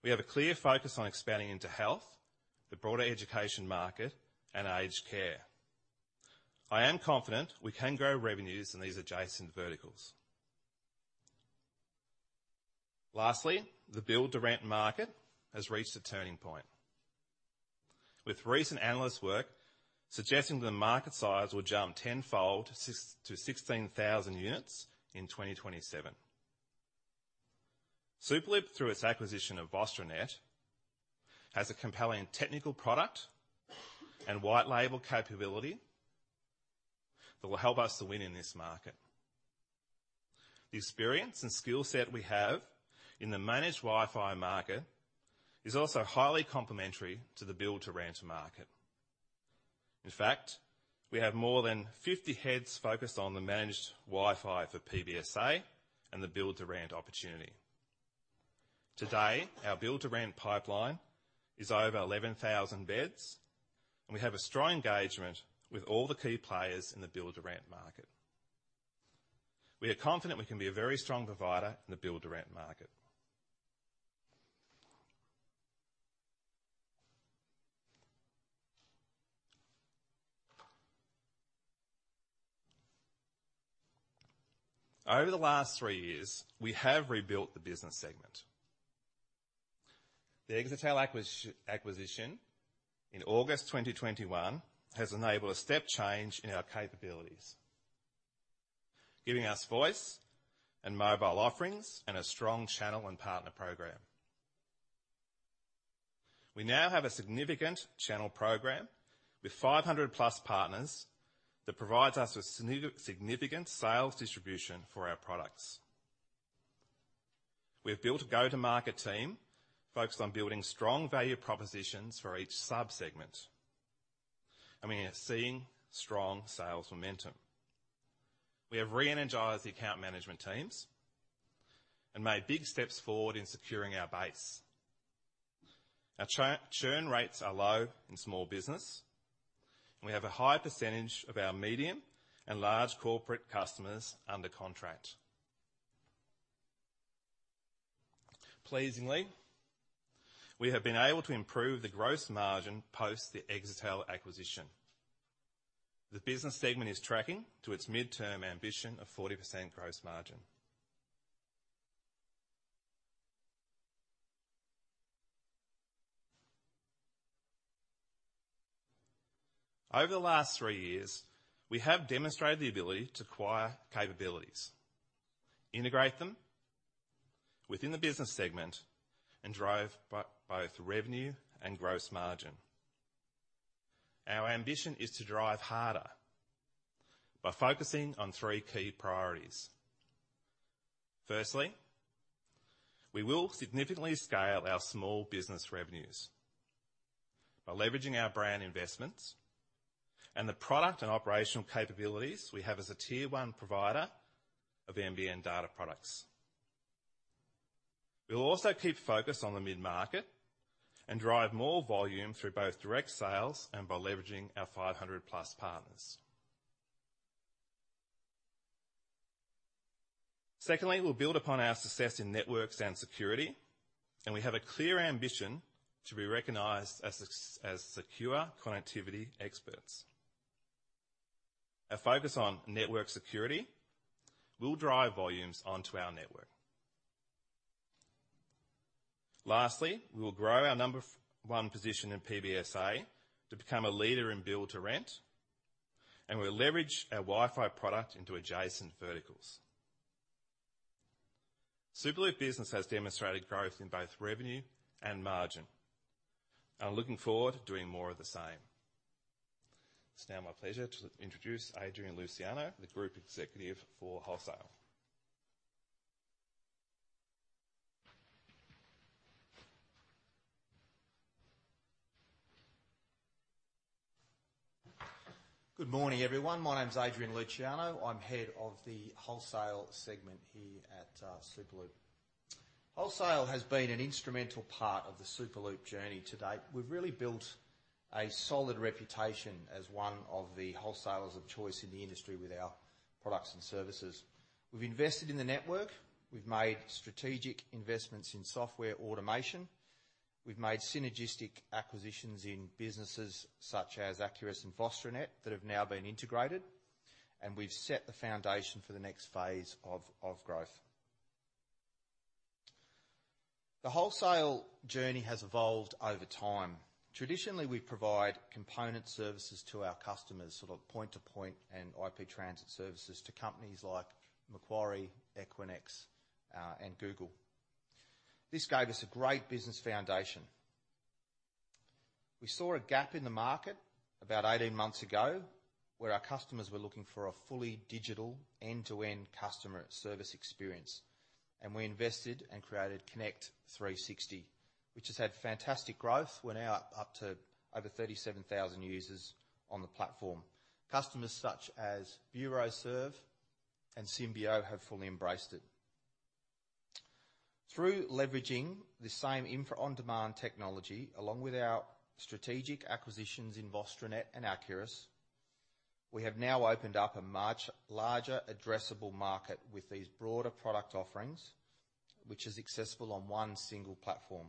We have a clear focus on expanding into health, the broader education market, and aged care. I am confident we can grow revenues in these adjacent verticals. The build-to-rent market has reached a turning point, with recent analyst work suggesting the market size will jump tenfold, 6,000-16,000 units in 2027. Superloop, through its acquisition of VostroNet, has a compelling technical product and white label capability that will help us to win in this market. The experience and skill set we have in the managed Wi-Fi market is also highly complementary to the build-to-rent market. In fact, we have more than 50 heads focused on the managed Wi-Fi for PBSA and the build-to-rent opportunity. To date, our build-to-rent pipeline is over 11,000 beds, and we have a strong engagement with all the key players in the build-to-rent market. We are confident we can be a very strong provider in the build-to-rent market. Over the last three years, we have rebuilt the business segment. The Exetel acquisition in August 2021 has enabled a step change in our capabilities, giving us voice and mobile offerings and a strong channel and partner program. We now have a significant channel program with 500+ partners that provides us with significant sales distribution for our products. We have built a go-to-market team focused on building strong value propositions for each sub-segment, and we are seeing strong sales momentum. We have re-energized the account management teams and made big steps forward in securing our base. Our churn rates are low in small business, and we have a high percentage of our medium and large corporate customers under contract. Pleasingly, we have been able to improve the gross margin post the Exetel acquisition. The business segment is tracking to its midterm ambition of 40% gross margin. Over the last three years, we have demonstrated the ability to acquire capabilities, integrate them within the business segment, and drive both revenue and gross margin. Our ambition is to drive harder by focusing on three key priorities. Firstly, we will significantly scale our small business revenues by leveraging our brand investments and the product and operational capabilities we have as a Tier 1 provider of NBN data products. We'll also keep focus on the mid-market and drive more volume through both direct sales and by leveraging our 500+ partners. Secondly, we'll build upon our success in networks and security, and we have a clear ambition to be recognized as secure connectivity experts. A focus on network security will drive volumes onto our network. Lastly, we will grow our number one position in PBSA to become a leader in build-to-rent, and we'll leverage our Wi-Fi product into adjacent verticals. Superloop business has demonstrated growth in both revenue and margin. I'm looking forward to doing more of the same. It's now my pleasure to introduce Adrian Luciano, the Group Executive for Wholesale. Good morning, everyone. My name is Adrian Luciano. I'm head of the wholesale segment here at Superloop. Wholesale has been an instrumental part of the Superloop journey to date. We've really built a solid reputation as one of the wholesalers of choice in the industry with our products and services. We've invested in the network. We've made strategic investments in software automation. We've made synergistic acquisitions in businesses such as Acurus and VostroNet that have now been integrated. We've set the foundation for the next phase of growth. The wholesale journey has evolved over time. Traditionally, we provide component services to our customers, sort of point-to-point and IP Transit services to companies like Macquarie, Equinix, Google. This gave us a great business foundation. We saw a gap in the market about 18 months ago, where our customers were looking for a fully digital end-to-end customer service experience. We invested and created Connect 360, which has had fantastic growth. We're now up to over 37,000 users on the platform. Customers such as Buroserv and Symbio have fully embraced it. Through leveraging the same infra on-demand technology, along with our strategic acquisitions in VostroNet and Acurus, we have now opened up a much larger addressable market with these broader product offerings, which is accessible on one single platform.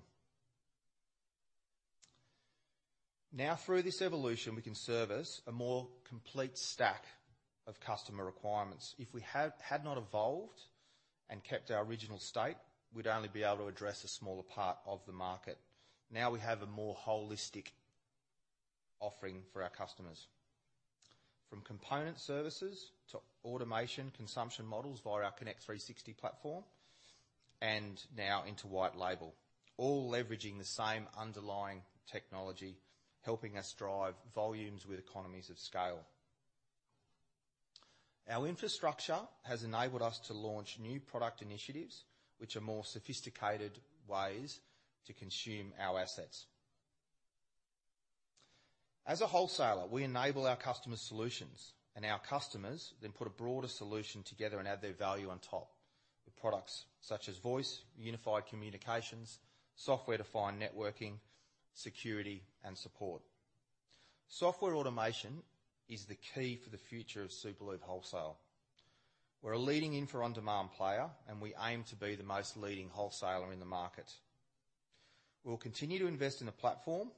Through this evolution, we can service a more complete stack of customer requirements. If we had not evolved and kept our original state, we'd only be able to address a smaller part of the market. We have a more holistic offering for our customers. From component services to automation consumption models via our Connect 360 platform and now into white label, all leveraging the same underlying technology, helping us drive volumes with economies of scale. Our infrastructure has enabled us to launch new product initiatives, which are more sophisticated ways to consume our assets. As a wholesaler, we enable our customer solutions and our customers then put a broader solution together and add their value on top with products such as voice, unified communications, software-defined networking, security, and support. Software automation is the key for the future of Superloop Wholesale. We're a leading infra on-demand player, and we aim to be the most leading wholesaler in the market. We'll continue to invest in the platform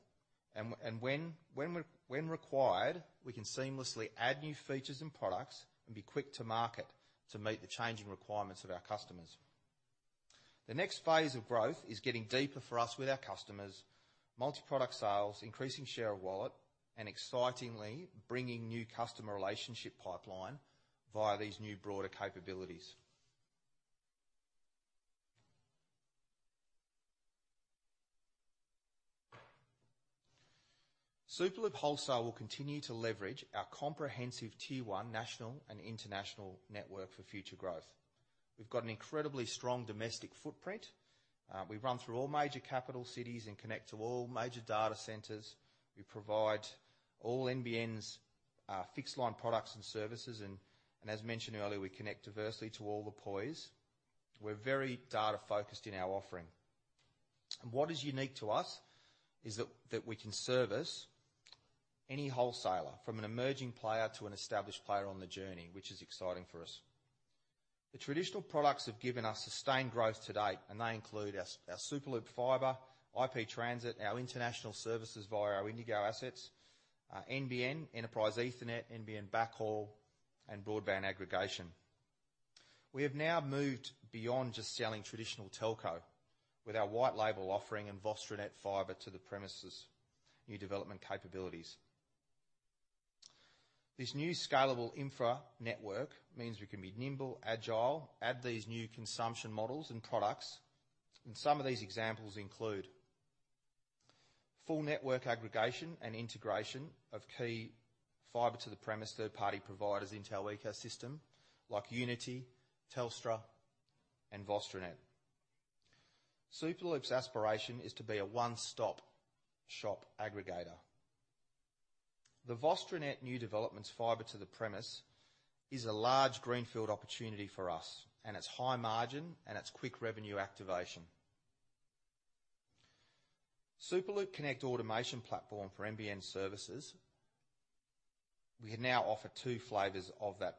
and when required, we can seamlessly add new features and products and be quick to market to meet the changing requirements of our customers. The next phase of growth is getting deeper for us with our customers, multi-product sales, increasing share of wallet, and excitingly bringing new customer relationship pipeline via these new broader capabilities. Superloop Wholesale will continue to leverage our comprehensive Tier 1 national and international network for future growth. We run through all major capital cities and connect to all major data centers. We provide all NBN's fixed line products and services, and as mentioned earlier, we connect diversely to all the POIs. We're very data-focused in our offering. What is unique to us is that we can service any wholesaler, from an emerging player to an established player on the journey, which is exciting for us. The traditional products have given us sustained growth to date. They include our Superloop Fibre, IP Transit, our international services via our INDIGO assets, NBN, Enterprise Ethernet, NBN Backhaul, and Broadband Aggregation. We have now moved beyond just selling traditional telco with our white label offering and VostroNet Fibre to the Premises new development capabilities. This new scalable infra network means we can be nimble, agile, add these new consumption models and products. Some of these examples include full network aggregation and integration of key Fibre to the Premises third-party providers into our ecosystem, like Uniti, Telstra, and VostroNet. Superloop's aspiration is to be a one-stop-shop aggregator. The VostroNet new developments Fibre to the Premises is a large greenfield opportunity for us. It's high margin and it's quick revenue activation. Connect 360 automation platform for NBN services, we now offer two flavors of that,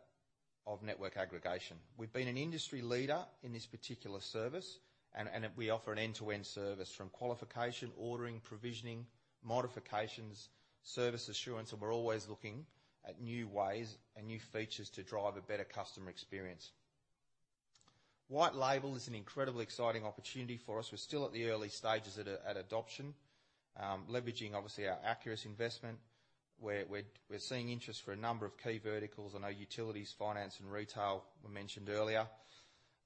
of network aggregation. We've been an industry leader in this particular service, and we offer an end-to-end service from qualification, ordering, provisioning, modifications, service assurance, and we're always looking at new ways and new features to drive a better customer experience. white label is an incredibly exciting opportunity for us. We're still at the early stages at adoption. Leveraging obviously our Acurus investment, we're seeing interest for a number of key verticals. I know utilities, finance, and retail were mentioned earlier.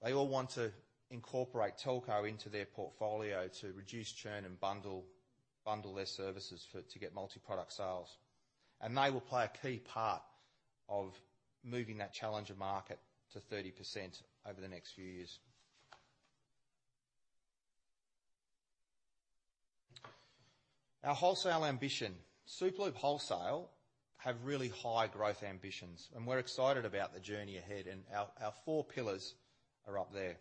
They all want to incorporate telco into their portfolio to reduce churn and bundle their services for, to get multi-product sales. They will play a key part of moving that challenger market to 30% over the next few years. Our wholesale ambition. Superloop Wholesale have really high growth ambitions, and we're excited about the journey ahead, and our four pillars are up there.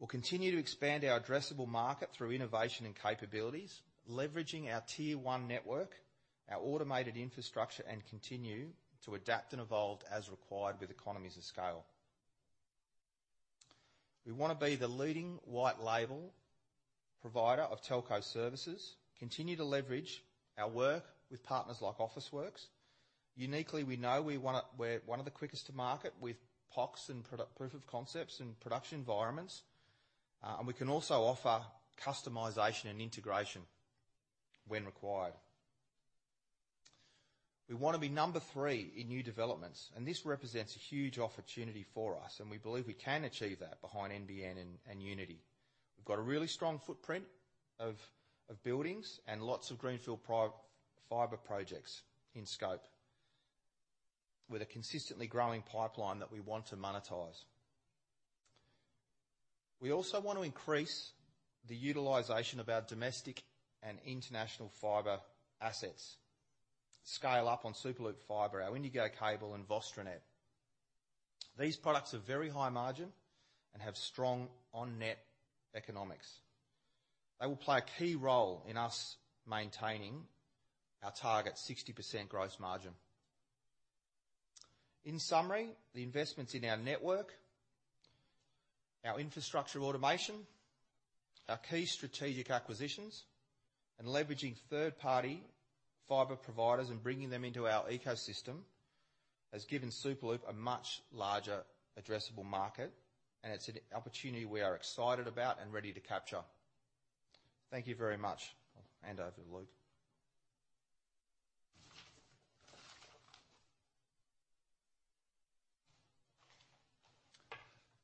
We'll continue to expand our addressable market through innovation and capabilities, leveraging our Tier 1 network, our automated infrastructure, and continue to adapt and evolve as required with economies of scale. We wanna be the leading white label provider of telco services, continue to leverage our work with partners like Officeworks. Uniquely, we know we're one of the quickest to market with POCs and product proof of concepts in production environments. And we can also offer customization and integration when required. We wanna be number three in new developments, and this represents a huge opportunity for us, and we believe we can achieve that behind NBN and Uniti. We've got a really strong footprint of buildings and lots of greenfield fiber projects in scope with a consistently growing pipeline that we want to monetize. We also want to increase the utilization of our domestic and international fiber assets, scale up on Superloop Fibre, our INDIGO cable, and VostroNet. These products are very high margin and have strong on-net economics. They will play a key role in us maintaining our target 60% gross margin. In summary, the investments in our network, our infrastructure automation, our key strategic acquisitions, and leveraging third-party fiber providers and bringing them into our ecosystem has given Superloop a much larger addressable market, and it's an opportunity we are excited about and ready to capture. Thank you very much. I'll hand over to Luke.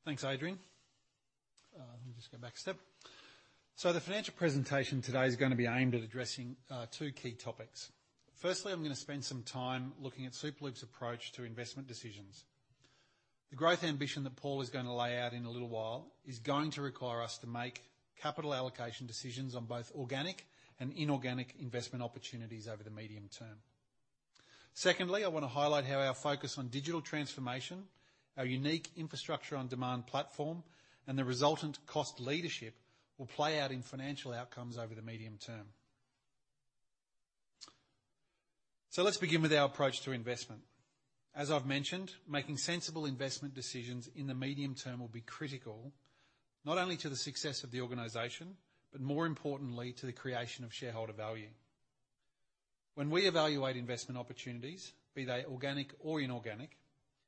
Thanks, Adrian. Let me just go back a step. The financial presentation today is gonna be aimed at addressing two key topics. Firstly, I'm gonna spend some time looking at Superloop's approach to investment decisions. The growth ambition that Paul is gonna lay out in a little while is going to require us to make capital allocation decisions on both organic and inorganic investment opportunities over the medium term. Secondly, I wanna highlight how our focus on digital transformation, our unique Infrastructure-on-Demand platform, and the resultant cost leadership will play out in financial outcomes over the medium term. Let's begin with our approach to investment. As I've mentioned, making sensible investment decisions in the medium term will be critical, not only to the success of the organization, but more importantly, to the creation of shareholder value. When we evaluate investment opportunities, be they organic or inorganic,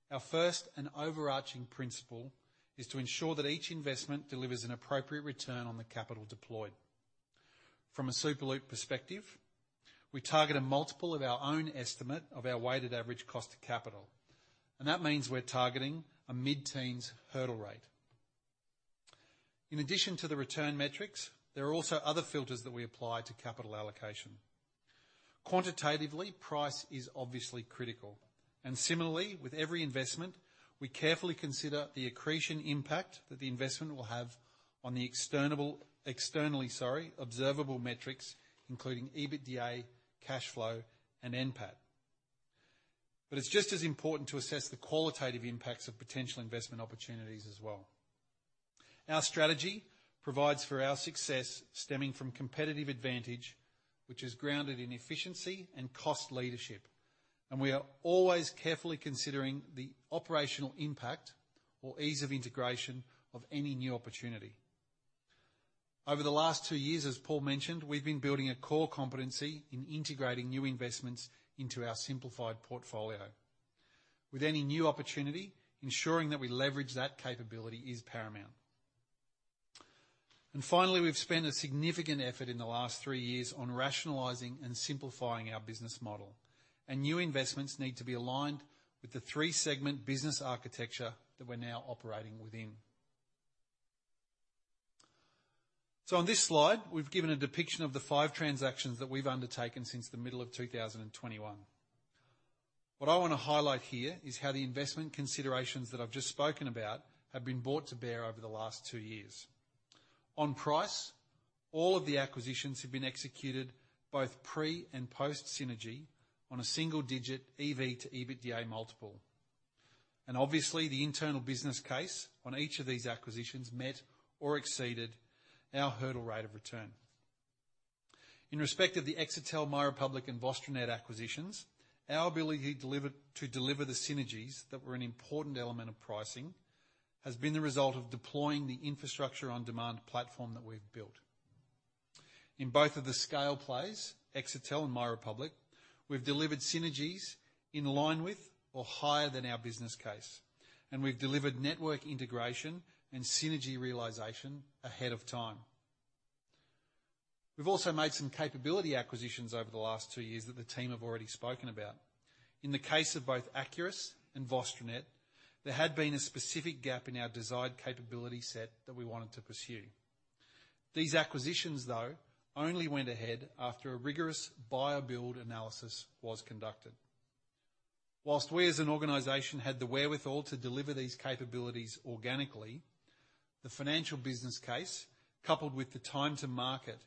our first and overarching principle is to ensure that each investment delivers an appropriate return on the capital deployed. From a Superloop perspective, we target a multiple of our own estimate of our weighted average cost of capital, and that means we're targeting a mid-teens hurdle rate. In addition to the return metrics, there are also other filters that we apply to capital allocation. Quantitatively, price is obviously critical, and similarly, with every investment, we carefully consider the accretion impact that the investment will have on the externally, sorry, observable metrics, including EBITDA, cash flow, and NPAT. It's just as important to assess the qualitative impacts of potential investment opportunities as well. Our strategy provides for our success stemming from competitive advantage, which is grounded in efficiency and cost leadership. We are always carefully considering the operational impact or ease of integration of any new opportunity. Over the last two years, as Paul mentioned, we've been building a core competency in integrating new investments into our simplified portfolio. With any new opportunity, ensuring that we leverage that capability is paramount. Finally, we've spent a significant effort in the last three years on rationalizing and simplifying our business model. New investments need to be aligned with the three segment business architecture that we're now operating within. On this slide, we've given a depiction of the five transactions that we've undertaken since the middle of 2021. What I wanna highlight here is how the investment considerations that I've just spoken about have been brought to bear over the last two years. On price, all of the acquisitions have been executed both pre and post synergy on a single-digit EV to EBITDA multiple. Obviously, the internal business case on each of these acquisitions met or exceeded our hurdle rate of return. In respect of the Exetel, MyRepublic, and VostroNet acquisitions, our ability to deliver the synergies that were an important element of pricing, has been the result of deploying the Infrastructure-on-Demand platform that we've built. In both of the scale plays, Exetel and MyRepublic, we've delivered synergies in line with or higher than our business case, and we've delivered network integration and synergy realization ahead of time. We've also made some capability acquisitions over the last two years that the team have already spoken about. In the case of both Acurus and VostroNet, there had been a specific gap in our desired capability set that we wanted to pursue. These acquisitions, though, only went ahead after a rigorous buy or build analysis was conducted. Whilst we as an organization had the wherewithal to deliver these capabilities organically, the financial business case, coupled with the time to market,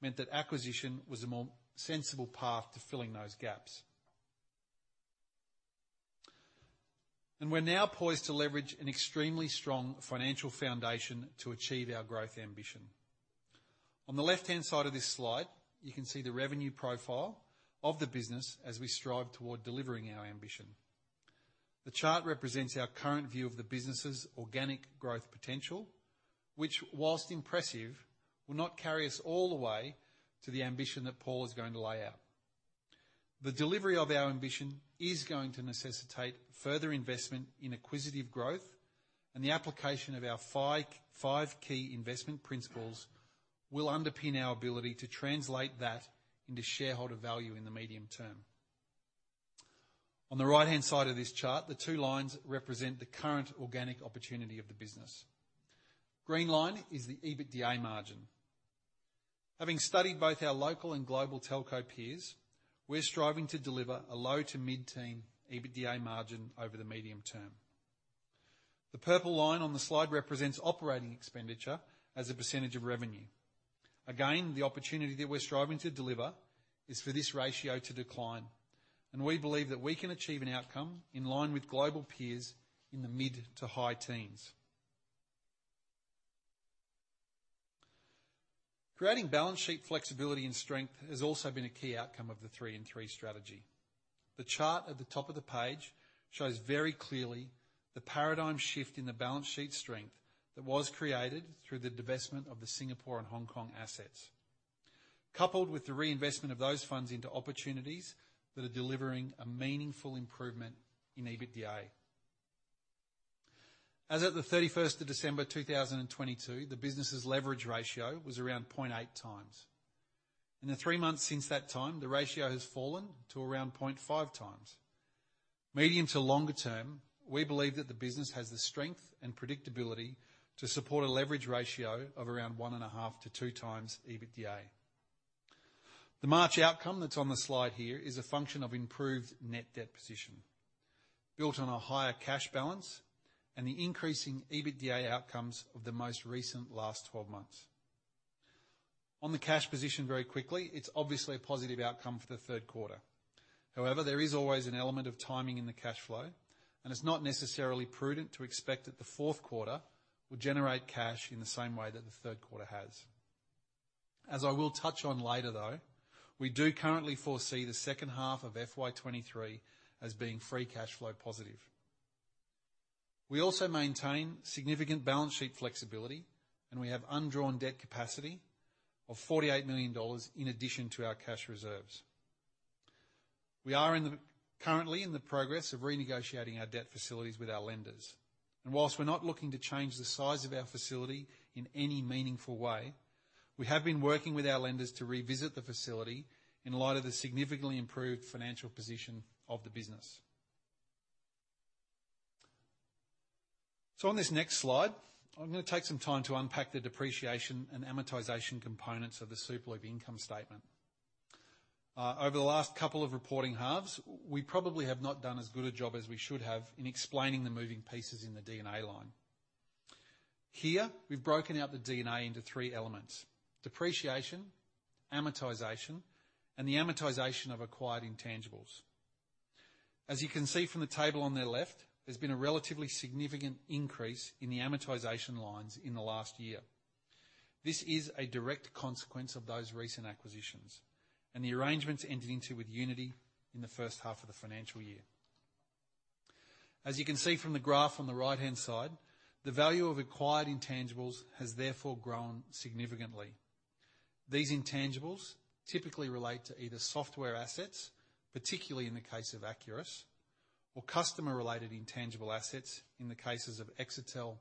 meant that acquisition was a more sensible path to filling those gaps. We're now poised to leverage an extremely strong financial foundation to achieve our growth ambition. On the left-hand side of this slide, you can see the revenue profile of the business as we strive toward delivering our ambition. The chart represents our current view of the business's organic growth potential, which, whilst impressive, will not carry us all the way to the ambition that Paul is going to lay out. The delivery of our ambition is going to necessitate further investment in acquisitive growth, and the application of our five key investment principles will underpin our ability to translate that into shareholder value in the medium term. On the right-hand side of this chart, the two lines represent the current organic opportunity of the business. Green line is the EBITDA margin. Having studied both our local and global telco peers, we're striving to deliver a low to mid-teen EBITDA margin over the medium term. The purple line on the slide represents operating expenditure as a % of revenue. Again, the opportunity that we're striving to deliver is for this ratio to decline, and we believe that we can achieve an outcome in line with global peers in the mid to high teens. Creating balance sheet flexibility and strength has also been a key outcome of the 3 in 3 strategy. The chart at the top of the page shows very clearly the paradigm shift in the balance sheet strength that was created through the divestment of the Singapore and Hong Kong assets. Coupled with the reinvestment of those funds into opportunities that are delivering a meaningful improvement in EBITDA. As at the 31st of December 2022, the business's leverage ratio was around 0.8x. In the three months since that time, the ratio has fallen to around 0.5x. Medium to longer term, we believe that the business has the strength and predictability to support a leverage ratio of around 1.5x-2x EBITDA. The March outcome that's on the slide here is a function of improved net debt position, built on a higher cash balance and the increasing EBITDA outcomes of the most recent last 12 months. On the cash position very quickly, it's obviously a positive outcome for the third quarter. There is always an element of timing in the cash flow, and it's not necessarily prudent to expect that the fourth quarter will generate cash in the same way that the third quarter has. As I will touch on later, though, we do currently foresee the second half of FY 2023 as being free cash flow positive. We also maintain significant balance sheet flexibility. We have undrawn debt capacity of 48 million dollars in addition to our cash reserves. We are currently in the progress of renegotiating our debt facilities with our lenders. Whilst we're not looking to change the size of our facility in any meaningful way, we have been working with our lenders to revisit the facility in light of the significantly improved financial position of the business. On this next slide, I'm gonna take some time to unpack the depreciation and amortization components of the Superloop income statement. Over the last couple of reporting halves, we probably have not done as good a job as we should have in explaining the moving pieces in the D&A line. Here, we've broken out the D&A into three elements: depreciation, amortization, and the amortization of acquired intangibles. As you can see from the table on the left, there's been a relatively significant increase in the amortization lines in the last year. This is a direct consequence of those recent acquisitions and the arrangements entered into with Uniti in the first half of the financial year. As you can see from the graph on the right-hand side, the value of acquired intangibles has therefore grown significantly. These intangibles typically relate to either software assets, particularly in the case of Acurus, or customer-related intangible assets in the cases of Exetel,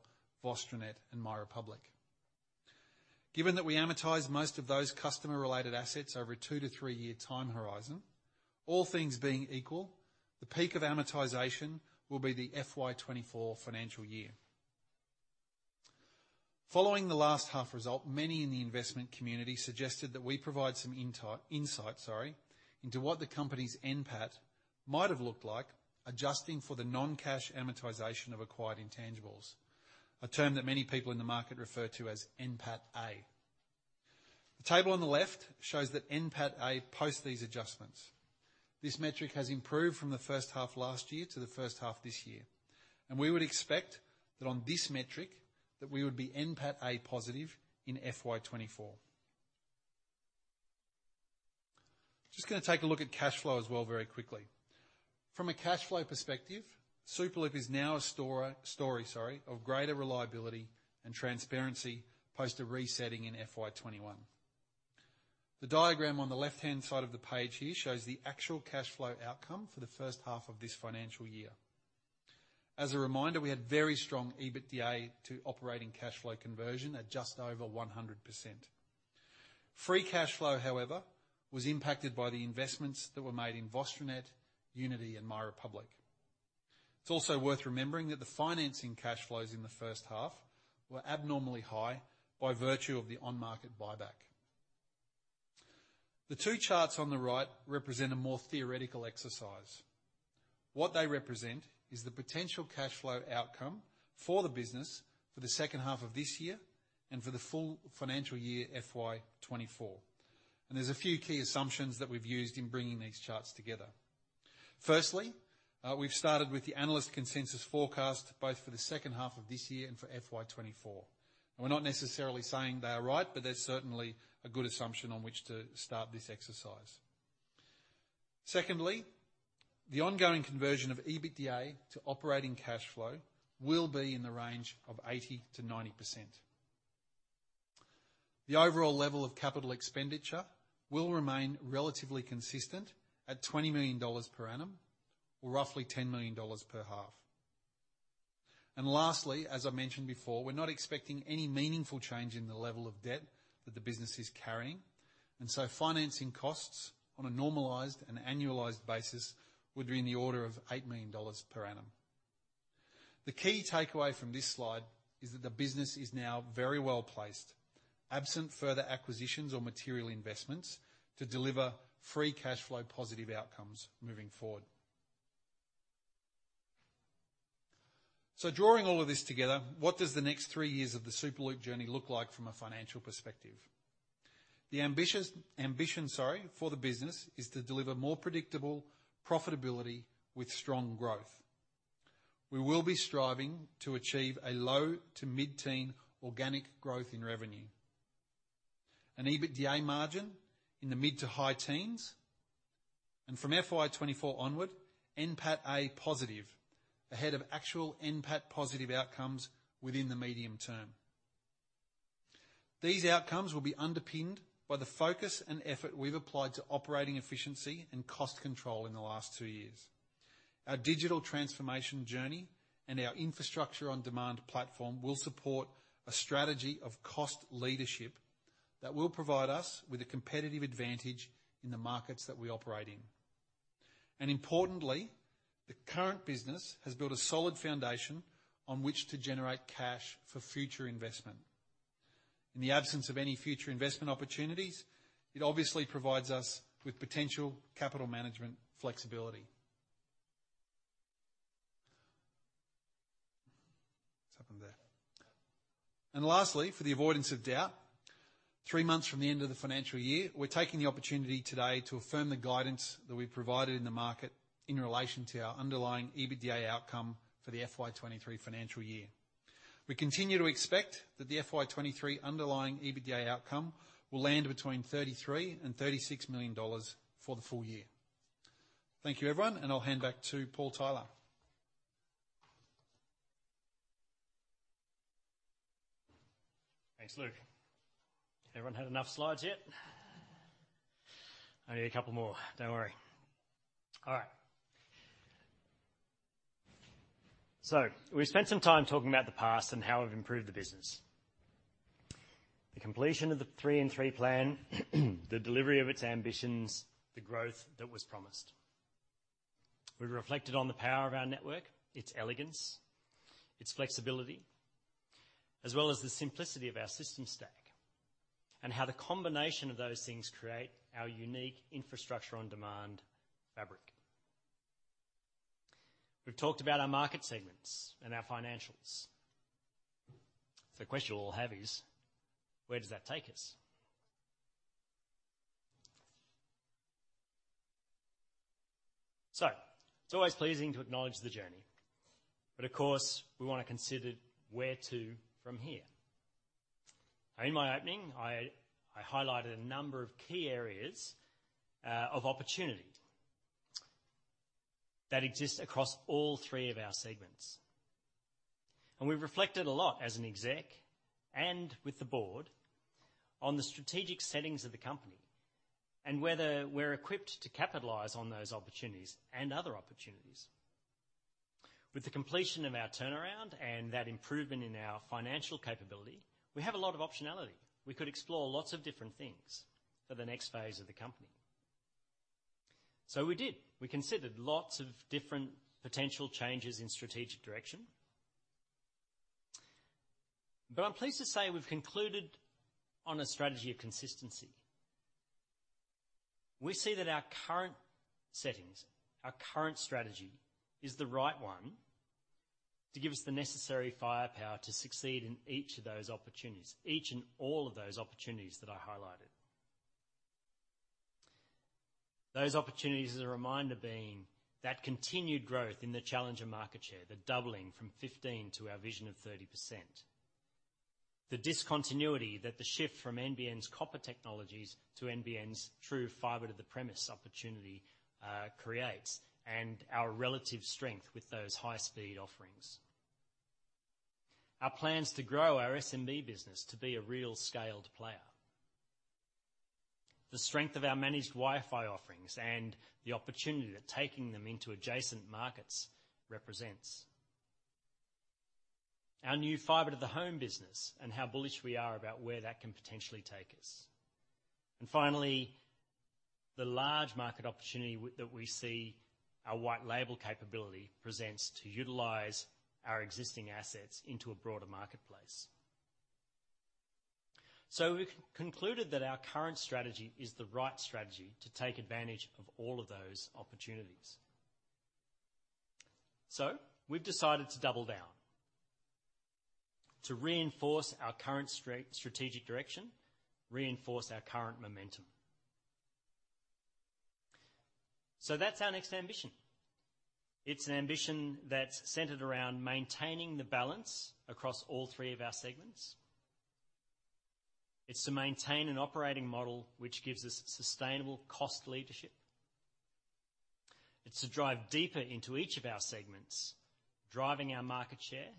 VostroNet, and MyRepublic. Given that we amortize most of those customer-related assets over a two to three year time horizon, all things being equal, the peak of amortization will be the FY 2024 financial year. Following the last half result, many in the investment community suggested that we provide some insight, sorry, into what the company's NPAT might have looked like, adjusting for the non-cash amortization of acquired intangibles, a term that many people in the market refer to as NPAT-A. The table on the left shows that NPAT-A posts these adjustments. This metric has improved from the first half of last year to the first half this year. We would expect that on this metric that we would be NPAT-A positive in FY 2024. Just gonna take a look at cash flow as well very quickly. From a cash flow perspective, Superloop is now a story, sorry, of greater reliability and transparency post a resetting in FY 2021. The diagram on the left-hand side of the page here shows the actual cash flow outcome for the first half of this financial year. As a reminder, we had very strong EBITDA to operating cash flow conversion at just over 100%. Free cash flow, however, was impacted by the investments that were made in VostroNet, Uniti, and MyRepublic. It's also worth remembering that the financing cash flows in the first half were abnormally high by virtue of the on-market buyback. The two charts on the right represent a more theoretical exercise. What they represent is the potential cash flow outcome for the business for the second half of this year and for the full financial year FY 2024. There's a few key assumptions that we've used in bringing these charts together. Firstly, we've started with the analyst consensus forecast both for the second half of this year and for FY 2024. We're not necessarily saying they are right, but they're certainly a good assumption on which to start this exercise. Secondly, the ongoing conversion of EBITDA to operating cash flow will be in the range of 80%-90%. The overall level of CapEx will remain relatively consistent at 20 million dollars per annum or roughly 10 million dollars per half. Lastly, as I mentioned before, we're not expecting any meaningful change in the level of debt that the business is carrying. So financing costs on a normalized and annualized basis would be in the order of 8 million dollars per annum. The key takeaway from this slide is that the business is now very well-placed, absent further acquisitions or material investments, to deliver free cash flow positive outcomes moving forward. Drawing all of this together, what does the next three years of the Superloop journey look like from a financial perspective? The ambition, sorry, for the business is to deliver more predictable profitability with strong growth. We will be striving to achieve a low to mid-teen organic growth in revenue, an EBITDA margin in the mid to high teens, and from FY 2024 onward, NPAT-A positive, ahead of actual NPAT positive outcomes within the medium term. These outcomes will be underpinned by the focus and effort we've applied to operating efficiency and cost control in the last two years. Our digital transformation journey and our Infrastructure-on-Demand platform will support a strategy of cost leadership that will provide us with a competitive advantage in the markets that we operate in. Importantly, the current business has built a solid foundation on which to generate cash for future investment. In the absence of any future investment opportunities, it obviously provides us with potential capital management flexibility. What's happened there? Lastly, for the avoidance of doubt, three months from the end of the financial year, we're taking the opportunity today to affirm the guidance that we provided in the market in relation to our underlying EBITDA outcome for the FY 2023 financial year. We continue to expect that the FY 2023 underlying EBITDA outcome will land between 33 million and 36 million dollars for the full year. Thank you, everyone, and I'll hand back to Paul Tyler. Thanks, Luke. Everyone had enough slides yet? Only a couple more, don't worry. All right. We've spent some time talking about the past and how we've improved the business. The completion of the 3 in 3 plan, the delivery of its ambitions, the growth that was promised. We reflected on the power of our network, its elegance, its flexibility, as well as the simplicity of our system stack, and how the combination of those things create our unique Infrastructure-on-Demand fabric. We've talked about our market segments and our financials. The question we all have is: Where does that take us? It's always pleasing to acknowledge the journey, but of course, we wanna consider where to from here. In my opening, I highlighted a number of key areas of opportunity that exists across all three of our segments. We've reflected a lot as an exec and with the board on the strategic settings of the company and whether we're equipped to capitalize on those opportunities and other opportunities. With the completion of our turnaround and that improvement in our financial capability, we have a lot of optionality. We could explore lots of different things for the next phase of the company. We did. We considered lots of different potential changes in strategic direction. I'm pleased to say we've concluded on a strategy of consistency. We see that our current settings, our current strategy is the right one to give us the necessary firepower to succeed in each of those opportunities, each and all of those opportunities that I highlighted. Those opportunities as a reminder being that continued growth in the challenger market share, the doubling from 15% to our vision of 30%. The discontinuity that the shift from NBN's copper technologies to NBN's true Fibre to the Premises opportunity creates and our relative strength with those high-speed offerings. Our plans to grow our SMB business to be a real scaled player. The strength of our managed Wi-Fi offerings and the opportunity that taking them into adjacent markets represents. Our new Fibre to the home business and how bullish we are about where that can potentially take us. Finally, the large market opportunity that we see our white label capability presents to utilize our existing assets into a broader marketplace. We've concluded that our current strategy is the right strategy to take advantage of all of those opportunities. We've decided to double down, to reinforce our current strategic direction, reinforce our current momentum. That's our next ambition. It's an ambition that's centered around maintaining the balance across all three of our segments. It's to maintain an operating model which gives us sustainable cost leadership. It's to drive deeper into each of our segments, driving our market share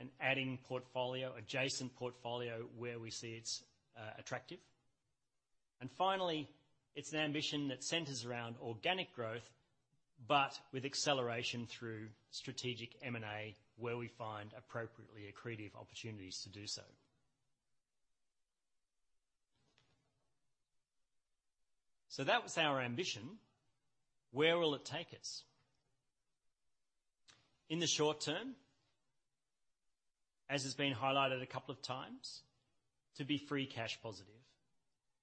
and adding portfolio, adjacent portfolio where we see it's attractive. Finally, it's an ambition that centers around organic growth, but with acceleration through strategic M&A where we find appropriately accretive opportunities to do so. That was our ambition. Where will it take us? In the short term, as has been highlighted a couple of times, to be free cash positive,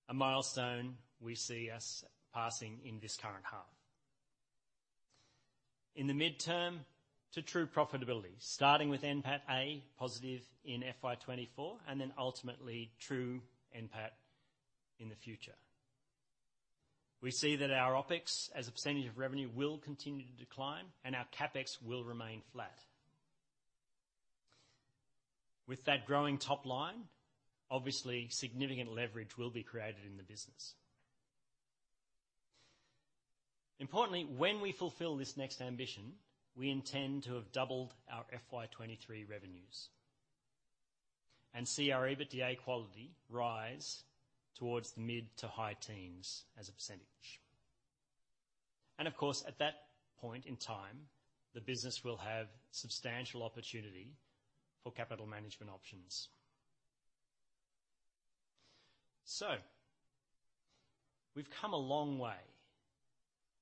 a milestone we see us passing in this current half. In the midterm, to true profitability, starting with NPAT-A positive in FY 2024 and then ultimately true NPAT in the future. We see that our OpEx as a % of revenue will continue to decline and our CapEx will remain flat. Growing top line, obviously significant leverage will be created in the business. Importantly, when we fulfill this next ambition, we intend to have doubled our FY 2023 revenues and see our EBITDA quality rise towards the mid to high teens as a %. Of course, at that point in time, the business will have substantial opportunity for capital management options. We've come a long way,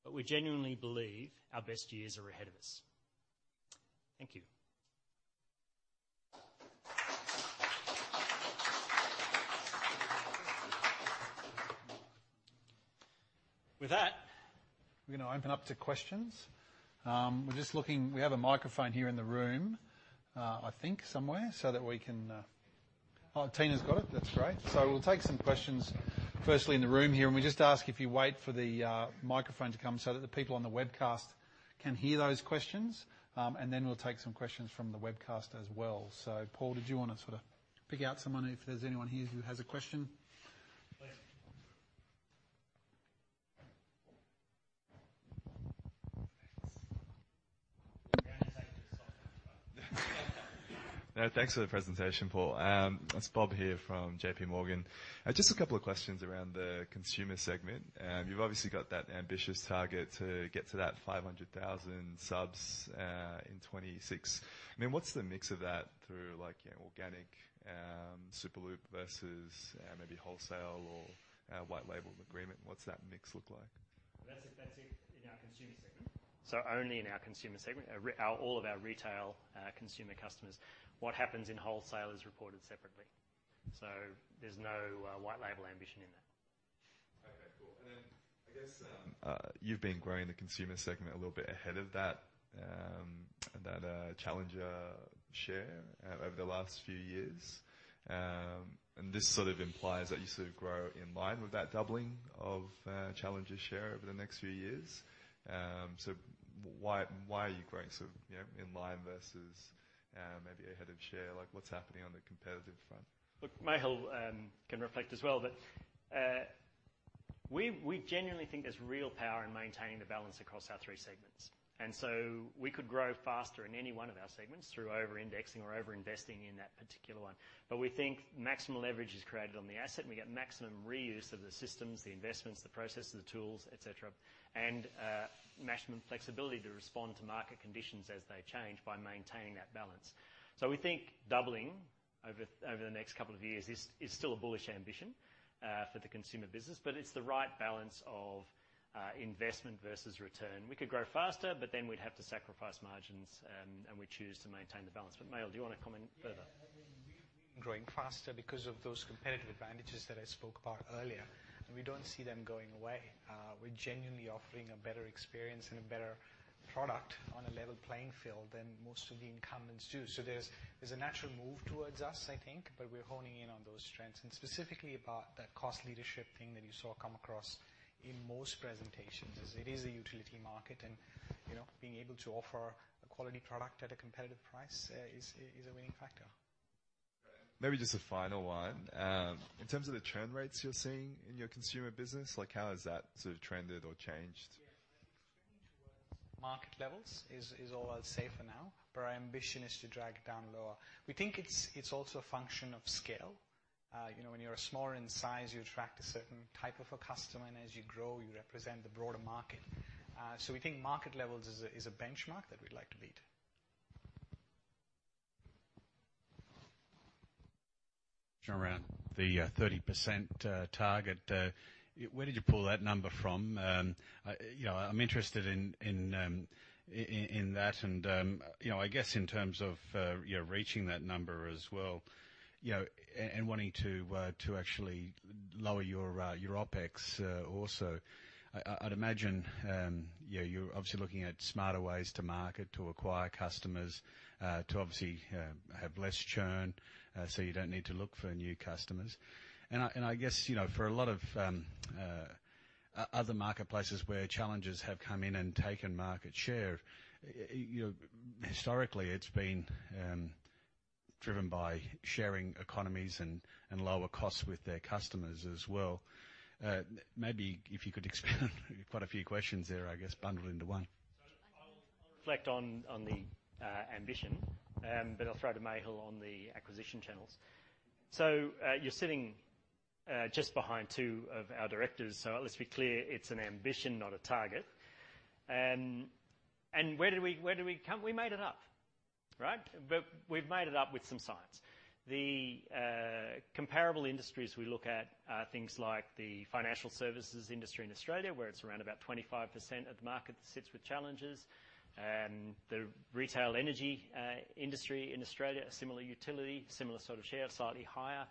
but we genuinely believe our best years are ahead of us. Thank you. We're gonna open up to questions. We have a microphone here in the room, I think somewhere, so that we can Oh, Tina's got it. That's great. We'll take some questions firstly in the room here. We just ask if you wait for the microphone to come so that the people on the webcast can hear those questions. We'll take some questions from the webcast as well. Paul, did you wanna sorta pick out someone if there's anyone here who has a question? Please. Thanks. We're gonna take this off. No, thanks for the presentation, Paul. It's Bob here from JPMorgan. I've just a couple of questions around the consumer segment. You've obviously got that ambitious target to get to that 500,000 subs, in 2026. I mean, what's the mix of that through like, you know, organic, Superloop versus, maybe wholesale or a white label agreement? What's that mix look like? That's it in our consumer segment. Only in our consumer segment, all of our retail, consumer customers. What happens in wholesale is reported separately. There's no white label ambition in that. Okay, cool. I guess you've been growing the consumer segment a little bit ahead of that challenger share over the last few years. This sort of implies that you sort of grow in line with that doubling of challenger share over the next few years. Why, why are you growing sort of, you know, in line versus maybe ahead of share? Like, what's happening on the competitive front? Look, Mehul, can reflect as well, but We genuinely think there's real power in maintaining the balance across our three segments. We could grow faster in any one of our segments through over-indexing or over-investing in that particular one. We think maximum leverage is created on the asset, and we get maximum reuse of the systems, the investments, the processes, the tools, et cetera, and maximum flexibility to respond to market conditions as they change by maintaining that balance. We think doubling over the next couple of years is still a bullish ambition for the consumer business, but it's the right balance of investment versus return. We could grow faster, but then we'd have to sacrifice margins, and we choose to maintain the balance. Mehul, do you wanna comment further? Yeah. I mean, we've been growing faster because of those competitive advantages that I spoke about earlier, and we don't see them going away. We're genuinely offering a better experience and a better product on a level playing field than most of the incumbents do. There's a natural move towards us, I think, but we're honing in on those strengths. Specifically about that cost leadership thing that you saw come across in most presentations is it is a utility market, and, you know, being able to offer a quality product at a competitive price, is a winning factor. Maybe just a final one. In terms of the churn rates you're seeing in your consumer business, like how has that sort of trended or changed? Yeah. I think trending towards market levels is all I'll say for now. Our ambition is to drag it down lower. We think it's also a function of scale. You know, when you're smaller in size, you attract a certain type of a customer, and as you grow, you represent the broader market. We think market levels is a benchmark that we'd like to beat. The 30% target, where did you pull that number from? I, you know, I'm interested in that and, you know, I guess in terms of, you know, reaching that number as well, you know, and wanting to actually lower your OpEx also. I'd imagine, you know, you're obviously looking at smarter ways to market to acquire customers, to obviously have less churn, so you don't need to look for new customers. I guess, you know, for a lot of other marketplaces where challengers have come in and taken market share, you know, historically it's been driven by sharing economies and lower costs with their customers as well. Maybe if you could expand... Quite a few questions there, I guess, bundled into one. I'll reflect on the ambition, but I'll throw to Mehul on the acquisition channels. You're sitting just behind two of our directors, so let's be clear, it's an ambition, not a target. Where did we come? We made it up, right? We've made it up with some science. The comparable industries we look at are things like the financial services industry in Australia, where it's around about 25% of the market that sits with challengers. The retail energy industry in Australia, a similar utility, similar sort of share, slightly higher.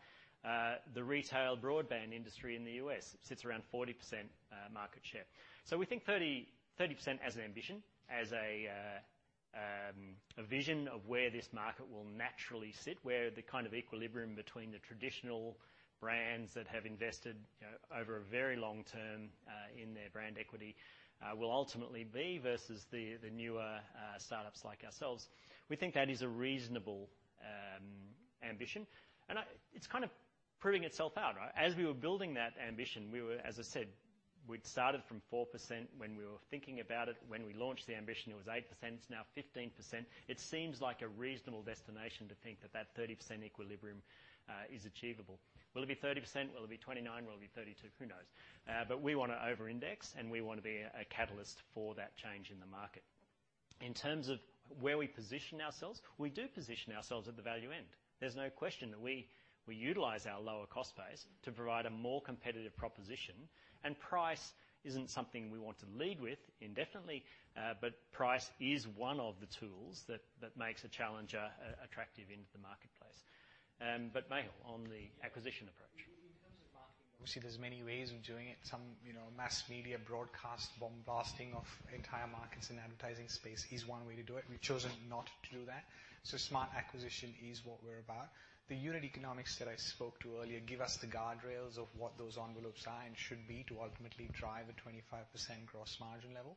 The retail broadband industry in the U.S. sits around 40% market share. We think 30% as an ambition, as a vision of where this market will naturally sit, where the kind of equilibrium between the traditional brands that have invested over a very long term in their brand equity will ultimately be versus the newer startups like ourselves. We think that is a reasonable ambition. It's kind of proving itself out, right? As we were building that ambition, we were, as I said, we'd started from 4% when we were thinking about it. When we launched the ambition, it was 8%. It's now 15%. It seems like a reasonable destination to think that that 30% equilibrium is achievable. Will it be 30%? Will it be 29%? Will it be 32%? Who knows. We wanna over-index, and we wanna be a catalyst for that change in the market. In terms of where we position ourselves, we do position ourselves at the value end. There's no question that we utilize our lower cost base to provide a more competitive proposition. Price isn't something we want to lead with indefinitely, but price is one of the tools that makes a challenger attractive into the marketplace. Mehul, on the acquisition approach. In terms of marketing, obviously there's many ways of doing it. Some, you know, mass media broadcast bombarding of entire markets and advertising space is one way to do it. We've chosen not to do that. Smart acquisition is what we're about. The unit economics that I spoke to earlier give us the guardrails of what those envelopes are and should be to ultimately drive a 25% gross margin level.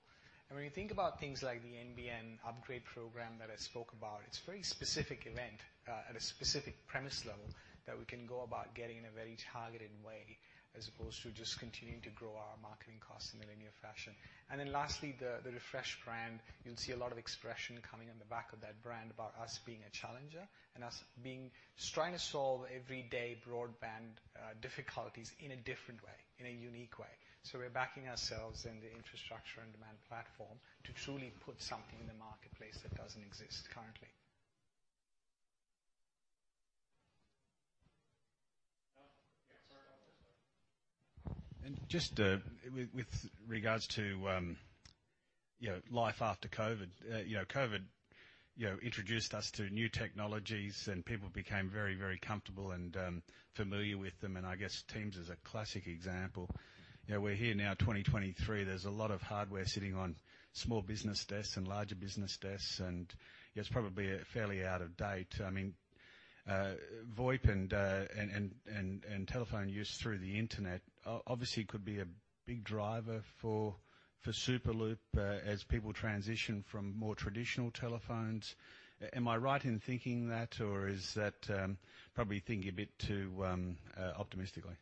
When you think about things like the NBN upgrade program that I spoke about, it's a very specific event at a specific premise level that we can go about getting in a very targeted way, as opposed to just continuing to grow our marketing costs in a linear fashion. Lastly, the refreshed brand. You'll see a lot of expression coming on the back of that brand about us being a challenger trying to solve everyday broadband difficulties in a different way, in a unique way. We're backing ourselves in the Infrastructure-on-Demand platform to truly put something in the marketplace that doesn't exist currently. No? Yeah. Sorry about that. Just with regards to, you know, life after COVID. You know, COVID, you know, introduced us to new technologies, and people became very, very comfortable and familiar with them, and I guess Teams is a classic example. You know, we're here now, 2023, there's a lot of hardware sitting on small business desks and larger business desks and, yeah, it's probably fairly out of date. I mean, VoIP and telephone use through the internet obviously could be a big driver for Superloop, as people transition from more traditional telephones. Am I right in thinking that or is that probably thinking a bit too optimistically?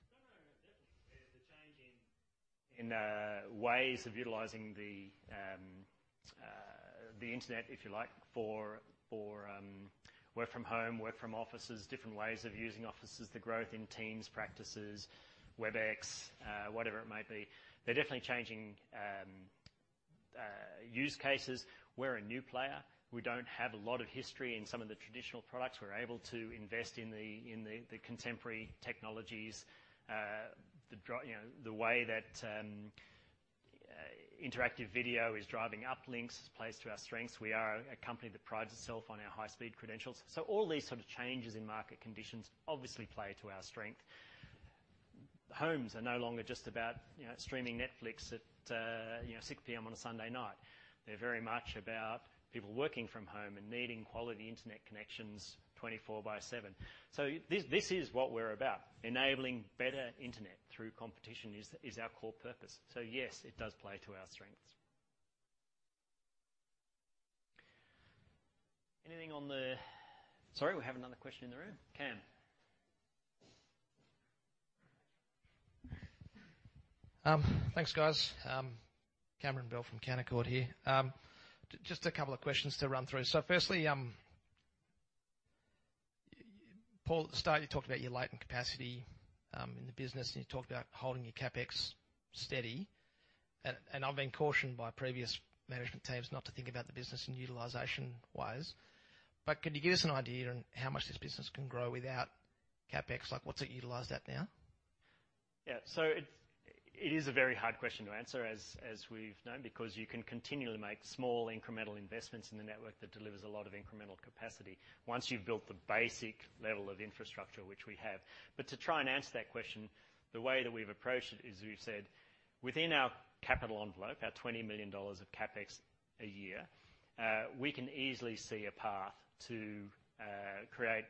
No, no. Definitely, there's a change in ways of utilizing the internet, if you like, for work from home, work from offices, different ways of using offices, the growth in Teams practices, Webex, whatever it may be. They're definitely changing use cases. We're a new player. We don't have a lot of history in some of the traditional products. We're able to invest in the contemporary technologies. The way that interactive video is driving uplinks plays to our strengths. We are a company that prides itself on our high speed credentials. All these sort of changes in market conditions obviously play to our strength. Homes are no longer just about, you know, streaming Netflix at 6:00 P.M. on a Sunday night. They're very much about people working from home and needing quality internet connections 24/7. This is what we're about, enabling better internet through competition is our core purpose. Yes, it does play to our strengths. Anything on the... Sorry, we have another question in the room. Cam. Thanks, guys. Cameron Bell from Canaccord here. Just a couple of questions to run through. Firstly, Paul, at the start, you talked about your latent capacity in the business, and you talked about holding your CapEx steady. I've been cautioned by previous management teams not to think about the business in utilization-wise. Could you give us an idea on how much this business can grow without CapEx? Like, what's it utilized at now? Yeah. It is a very hard question to answer as we've known, because you can continually make small incremental investments in the network that delivers a lot of incremental capacity once you've built the basic level of infrastructure, which we have. To try and answer that question, the way that we've approached it is we've said within our capital envelope, our 20 million dollars of CapEx a year, we can easily see a path to create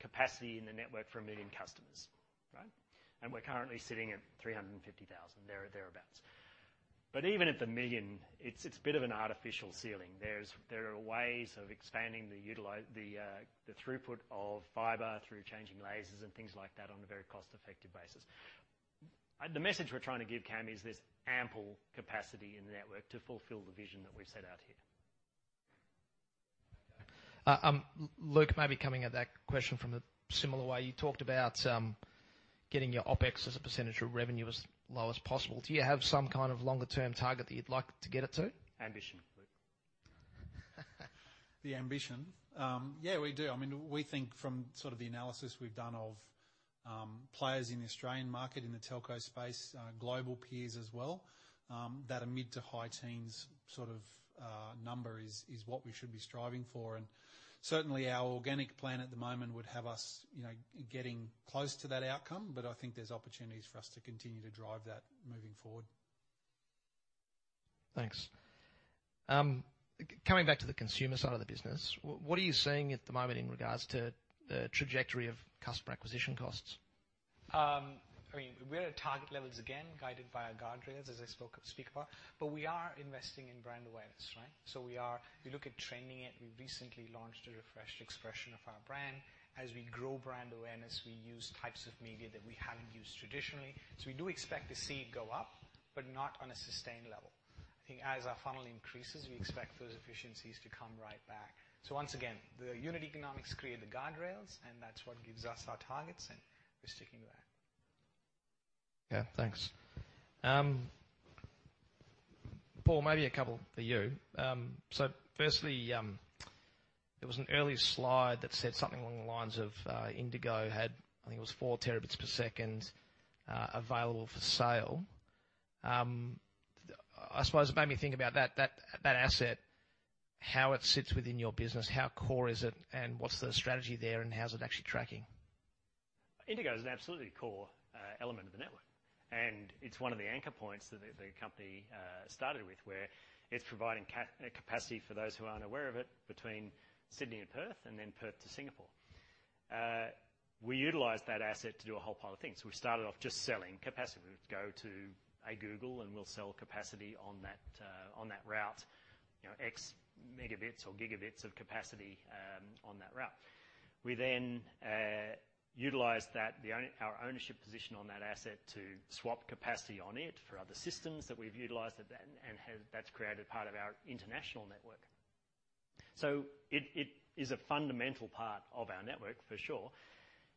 capacity in the network for 1 million customers, right? We're currently sitting at 350,000, thereabouts. Even at the 1 million, it's a bit of an artificial ceiling. There are ways of expanding the throughput of fiber through changing lasers and things like that on a very cost-effective basis. The message we're trying to give, Cam, is there's ample capacity in the network to fulfill the vision that we've set out here. Luke, maybe coming at that question from a similar way. You talked about getting your OpEx as a % of revenue as low as possible. Do you have some kind of longer term target that you'd like to get it to? Ambition, Luke. The ambition. Yeah, we do. I mean, we think from sort of the analysis we've done of, players in the Australian market, in the telco space, global peers as well, that a mid-to-high teens sort of, number is what we should be striving for. Certainly our organic plan at the moment would have us, you know, getting close to that outcome, I think there's opportunities for us to continue to drive that moving forward. Thanks. Coming back to the consumer side of the business, what are you seeing at the moment in regards to the trajectory of customer acquisition costs? I mean, we're at target levels again, guided by our guardrails, as I speak about. We are investing in brand awareness, right. We look at training it. We recently launched a refreshed expression of our brand. As we grow brand awareness, we use types of media that we haven't used traditionally. We do expect to see it go up, but not on a sustained level. I think as our funnel increases, we expect those efficiencies to come right back. Once again, the unit economics create the guardrails, and that's what gives us our targets, and we're sticking to that. Yeah. Thanks. Paul, maybe a couple for you. Firstly, there was an earlier slide that said something along the lines of INDIGO had, I think it was 4 Tbps available for sale. I suppose it made me think about that asset, how it sits within your business, how core is it, and what's the strategy there, and how is it actually tracking? INDIGO is an absolutely core element of the network, and it's one of the anchor points that the company started with, where it's providing capacity, for those who aren't aware of it, between Sydney and Perth and then Perth to Singapore. We utilize that asset to do a whole pile of things. We started off just selling capacity. We'd go to a Google, and we'll sell capacity on that route, you know, X megabits or gigabits of capacity on that route. We then utilized that, our ownership position on that asset to swap capacity on it for other systems that we've utilized it then. That's created part of our international network. It is a fundamental part of our network for sure,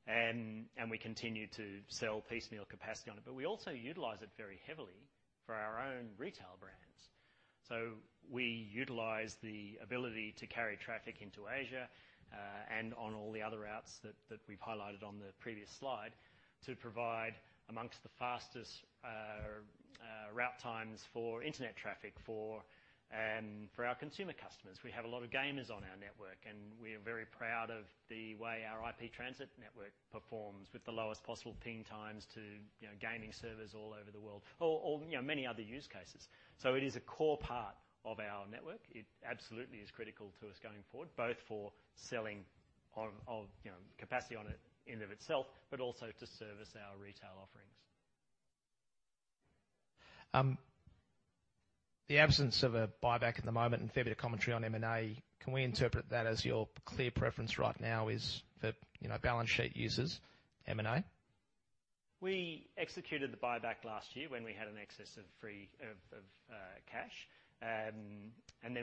and we continue to sell piecemeal capacity on it. We also utilize it very heavily for our own retail brands. We utilize the ability to carry traffic into Asia, and on all the other routes that we've highlighted on the previous slide, to provide amongst the fastest route times for internet traffic for our consumer customers. We have a lot of gamers on our network, and we're very proud of the way our IP Transit network performs with the lowest possible ping times to, you know, gaming servers all over the world or, you know, many other use cases. It is a core part of our network. It absolutely is critical to us going forward, both for selling on, you know, capacity on it in and of itself, but also to service our retail offerings. The absence of a buyback at the moment and fair bit of commentary on M&A, can we interpret that as your clear preference right now is for, you know, balance sheet uses M&A? We executed the buyback last year when we had an excess of cash.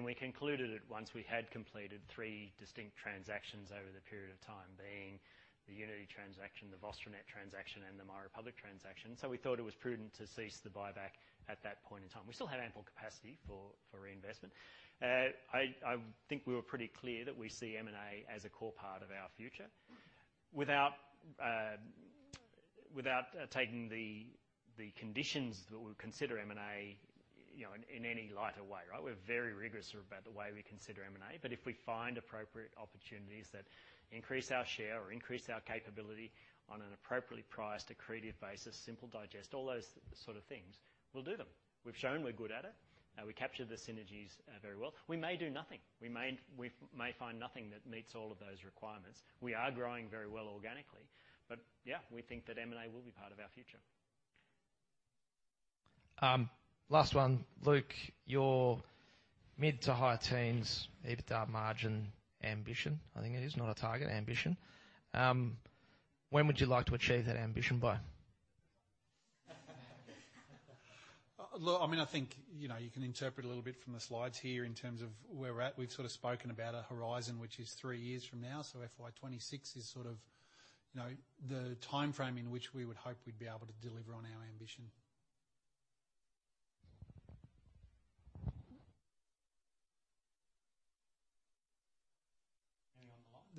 We concluded it once we had completed three distinct transactions over the period of time, being the Uniti transaction, the VostroNet transaction and the MyRepublic transaction. We thought it was prudent to cease the buyback at that point in time. We still had ample capacity for reinvestment. I think we were pretty clear that we see M&A as a core part of our future. Without taking the conditions that we consider M&A, you know, in any lighter way, right? We're very rigorous about the way we consider M&A. If we find appropriate opportunities that increase our share or increase our capability on an appropriately priced, accretive basis, simple digest, all those sort of things, we'll do them. We've shown we're good at it. We capture the synergies very well. We may do nothing. We may find nothing that meets all of those requirements. We are growing very well organically. Yeah, we think that M&A will be part of our future. Last one, Luke. Your mid-to-high teens EBITDA margin ambition, I think it is. Not a target, ambition. When would you like to achieve that ambition by? Look, I mean, I think, you know, you can interpret a little bit from the slides here in terms of where we're at. We've sort of spoken about a horizon which is three years from now. FY 2026 is sort of, you know, the timeframe in which we would hope we'd be able to deliver on our ambition.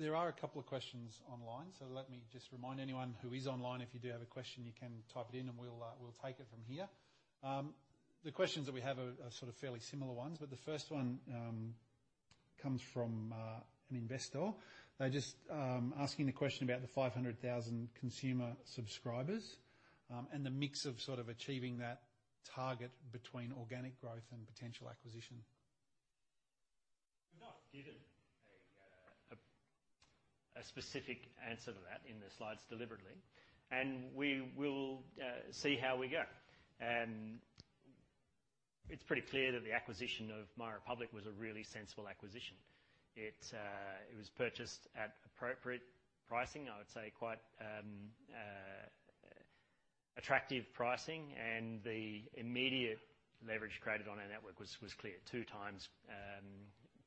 Any online? There are a couple of questions online. Let me just remind anyone who is online, if you do have a question, you can type it in and we'll take it from here. The questions that we have are sort of fairly similar ones, the first one, comes from an investor. They're just asking the question about the 500,000 consumer subscribers, and the mix of sort of achieving that target between organic growth and potential acquisition. We've not given a specific answer to that in the slides deliberately. We will see how we go. It's pretty clear that the acquisition of MyRepublic was a really sensible acquisition. It was purchased at appropriate pricing, I would say quite attractive pricing. The immediate leverage created on our network was clear. 2x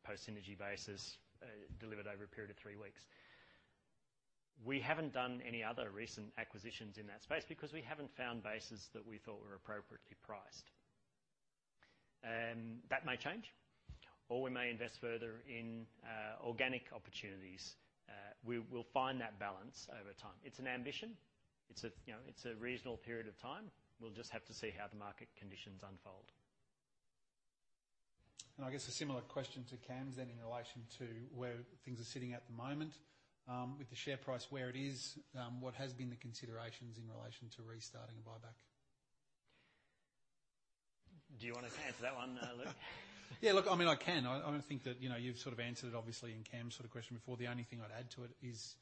post-synergy basis delivered over a period of three weeks. We haven't done any other recent acquisitions in that space because we haven't found bases that we thought were appropriately priced. That may change, or we may invest further in organic opportunities. We'll find that balance over time. It's an ambition. It's a, you know, it's a reasonable period of time. We'll just have to see how the market conditions unfold. I guess a similar question to Cam then in relation to where things are sitting at the moment. With the share price where it is, what has been the considerations in relation to restarting a buyback? Do you wanna answer that one, Luke? Look, I mean, I can. I think that, you know, you've sort of answered it obviously in Cam's sort of question before. The only thing I'd add to it is,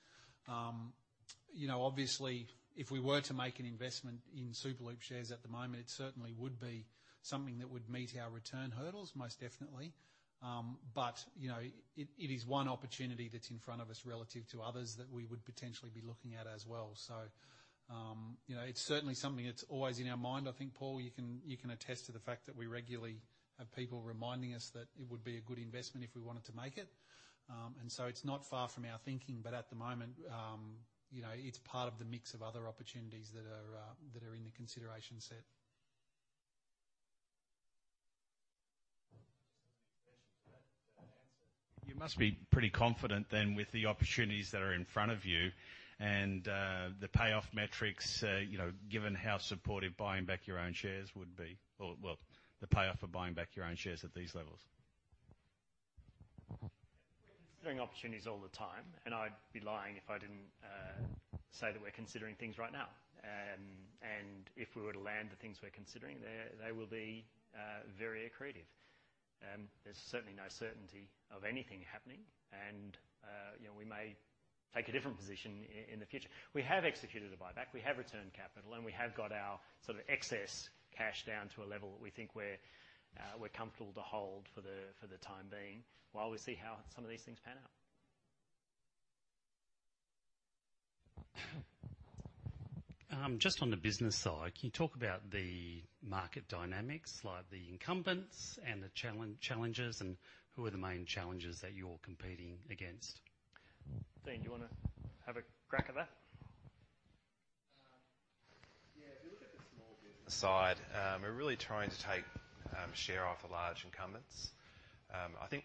you know, obviously, if we were to make an investment in Superloop shares at the moment, it certainly would be something that would meet our return hurdles, most definitely. You know, it is one opportunity that's in front of us relative to others that we would potentially be looking at as well. You know, it's certainly something that's always in our mind. I think, Paul, you can, you can attest to the fact that we regularly have people reminding us that it would be a good investment if we wanted to make it. It's not far from our thinking. At the moment, you know, it's part of the mix of other opportunities that are, that are in the consideration set. Just a quick question to that answer. You must be pretty confident then with the opportunities that are in front of you and the payoff metrics, you know, given how supportive buying back your own shares would be or the payoff of buying back your own shares at these levels. We're considering opportunities all the time. I'd be lying if I didn't say that we're considering things right now. If we were to land the things we're considering, they will be very accretive. There's certainly no certainty of anything happening, and you know, we may take a different position in the future. We have executed a buyback, we have returned capital, and we have got our sort of excess cash down to a level that we think we're comfortable to hold for the time being while we see how some of these things pan out. Just on the business side, can you talk about the market dynamics, like the incumbents and the challenges, and who are the main challenges that you're competing against? Dean, do you wanna have a crack at that? Yeah. If you look at the small business side, we're really trying to take share off the large incumbents. I think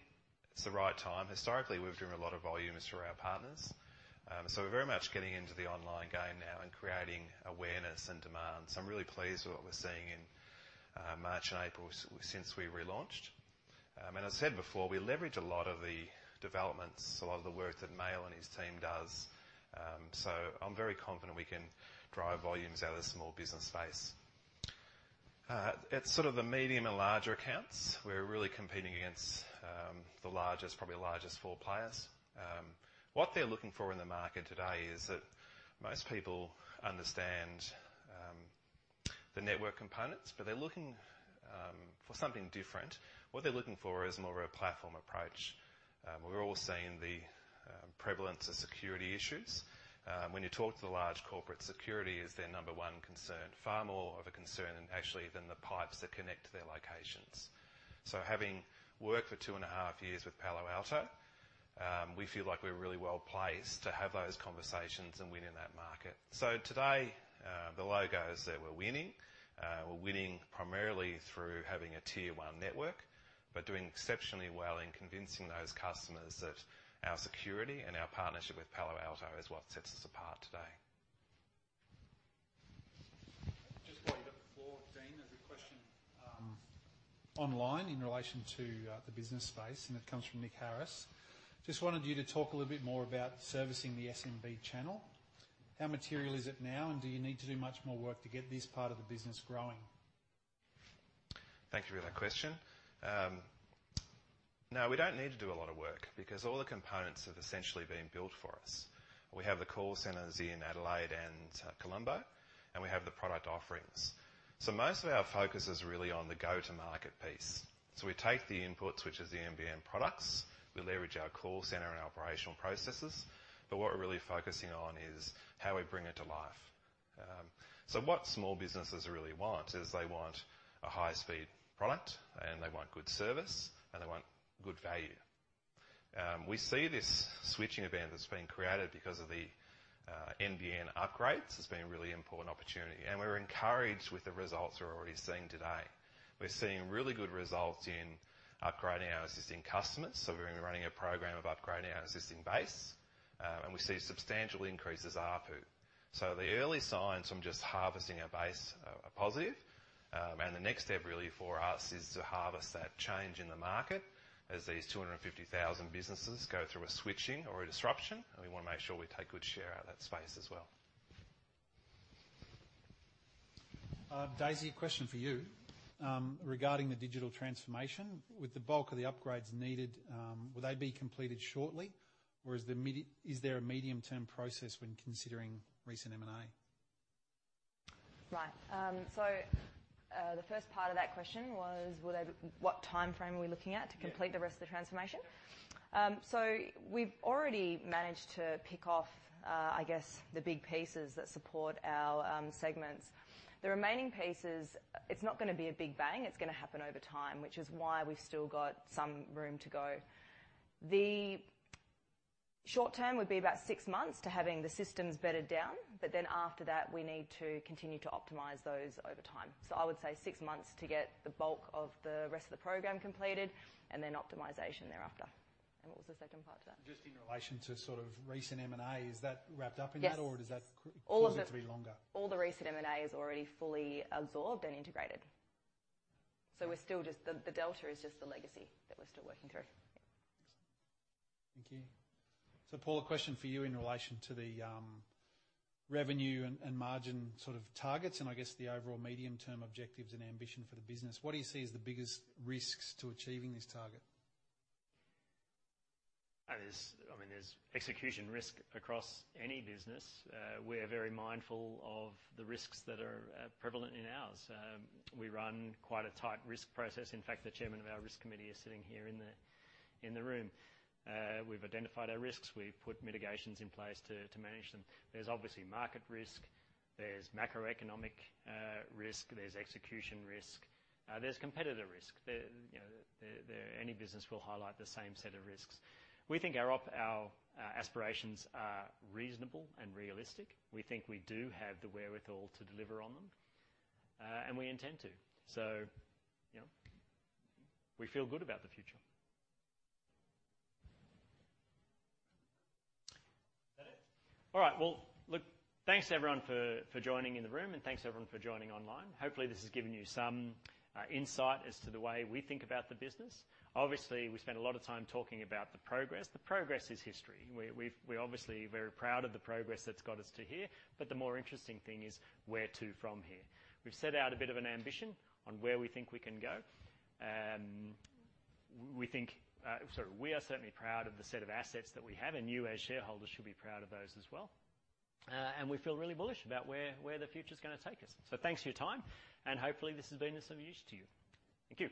it's the right time. Historically, we've driven a lot of volumes through our partners. We're very much getting into the online game now and creating awareness and demand. I'm really pleased with what we're seeing in March and April since we relaunched. As I said before, we leverage a lot of the developments, a lot of the work that Mehul and his team does. I'm very confident we can drive volumes out of the small business space. At sort of the medium and larger accounts, we're really competing against the largest, probably largest four players. What they're looking for in the market today is that most people understand the network components, but they're looking for something different. What they're looking for is more of a platform approach. We're all seeing the prevalence of security issues. When you talk to the large corporate, security is their number one concern, far more of a concern actually than the pipes that connect to their locations. Having worked for two and a half years with Palo Alto, we feel like we're really well placed to have those conversations and win in that market. Today, the logos there, we're winning. We're winning primarily through having a Tier 1 network, but doing exceptionally well in convincing those customers that our security and our partnership with Palo Alto is what sets us apart today. Just while you've got the floor, Dean, there's a question online in relation to the business space, and it comes from Nick Harris. Just wanted you to talk a little bit more about servicing the SMB channel. How material is it now, and do you need to do much more work to get this part of the business growing? Thank you for that question. No, we don't need to do a lot of work because all the components have essentially been built for us. We have the call centers in Adelaide and Colombo, and we have the product offerings. Most of our focus is really on the go-to-market piece. We take the inputs, which is the NBN products. We leverage our call center and operational processes, but what we're really focusing on is how we bring it to life. What small businesses really want is they want a high-speed product, and they want good service, and they want good value. We see this switching event that's being created because of the NBN upgrades as being a really important opportunity, and we're encouraged with the results we're already seeing today. We're seeing really good results in upgrading our existing customers, so we're gonna be running a program of upgrading our existing base, and we see substantial increases ARPU. The early signs from just harvesting our base are positive, and the next step really for us is to harvest that change in the market as these 250,000 businesses go through a switching or a disruption, and we wanna make sure we take good share of that space as well. Daisey, a question for you. Regarding the digital transformation, with the bulk of the upgrades needed, will they be completed shortly, or is there a medium-term process when considering recent M&A? Right. The first part of that question was, what timeframe are we looking at? Yeah. To complete the rest of the transformation? We've already managed to pick off, I guess the big pieces that support our segments. The remaining pieces, it's not gonna be a big bang. It's gonna happen over time, which is why we've still got some room to go. The short term would be about six months to having the systems bedded down, but then after that, we need to continue to optimize those over time. I would say six months to get the bulk of the rest of the program completed, and then optimization thereafter. What was the second part to that? Just in relation to sort of recent M&A, is that wrapped up in that? Yes. Does that continue to be longer? All the recent M&A is already fully absorbed and integrated. The delta is just the legacy that we're still working through. Yeah. Thank you. Paul, a question for you in relation to the revenue and margin sort of targets and I guess the overall medium-term objectives and ambition for the business. What do you see as the biggest risks to achieving this target? There's, I mean, there's execution risk across any business. We're very mindful of the risks that are prevalent in ours. We run quite a tight risk process. In fact, the chairman of our risk committee is sitting here in the room. We've identified our risks. We've put mitigations in place to manage them. There's obviously market risk, there's macroeconomic risk, there's execution risk, there's competitor risk. You know, any business will highlight the same set of risks. We think our aspirations are reasonable and realistic. We think we do have the wherewithal to deliver on them, and we intend to. You know, we feel good about the future. Is that it? All right. Well, look, thanks everyone for joining in the room, and thanks everyone for joining online. Hopefully, this has given you some insight as to the way we think about the business. We spent a lot of time talking about the progress. The progress is history. We're obviously very proud of the progress that's got us to here, but the more interesting thing is where to from here. We've set out a bit of an ambition on where we think we can go, we are certainly proud of the set of assets that we have, and you as shareholders should be proud of those as well. We feel really bullish about where the future's gonna take us. Thanks for your time, and hopefully, this has been of some use to you. Thank you.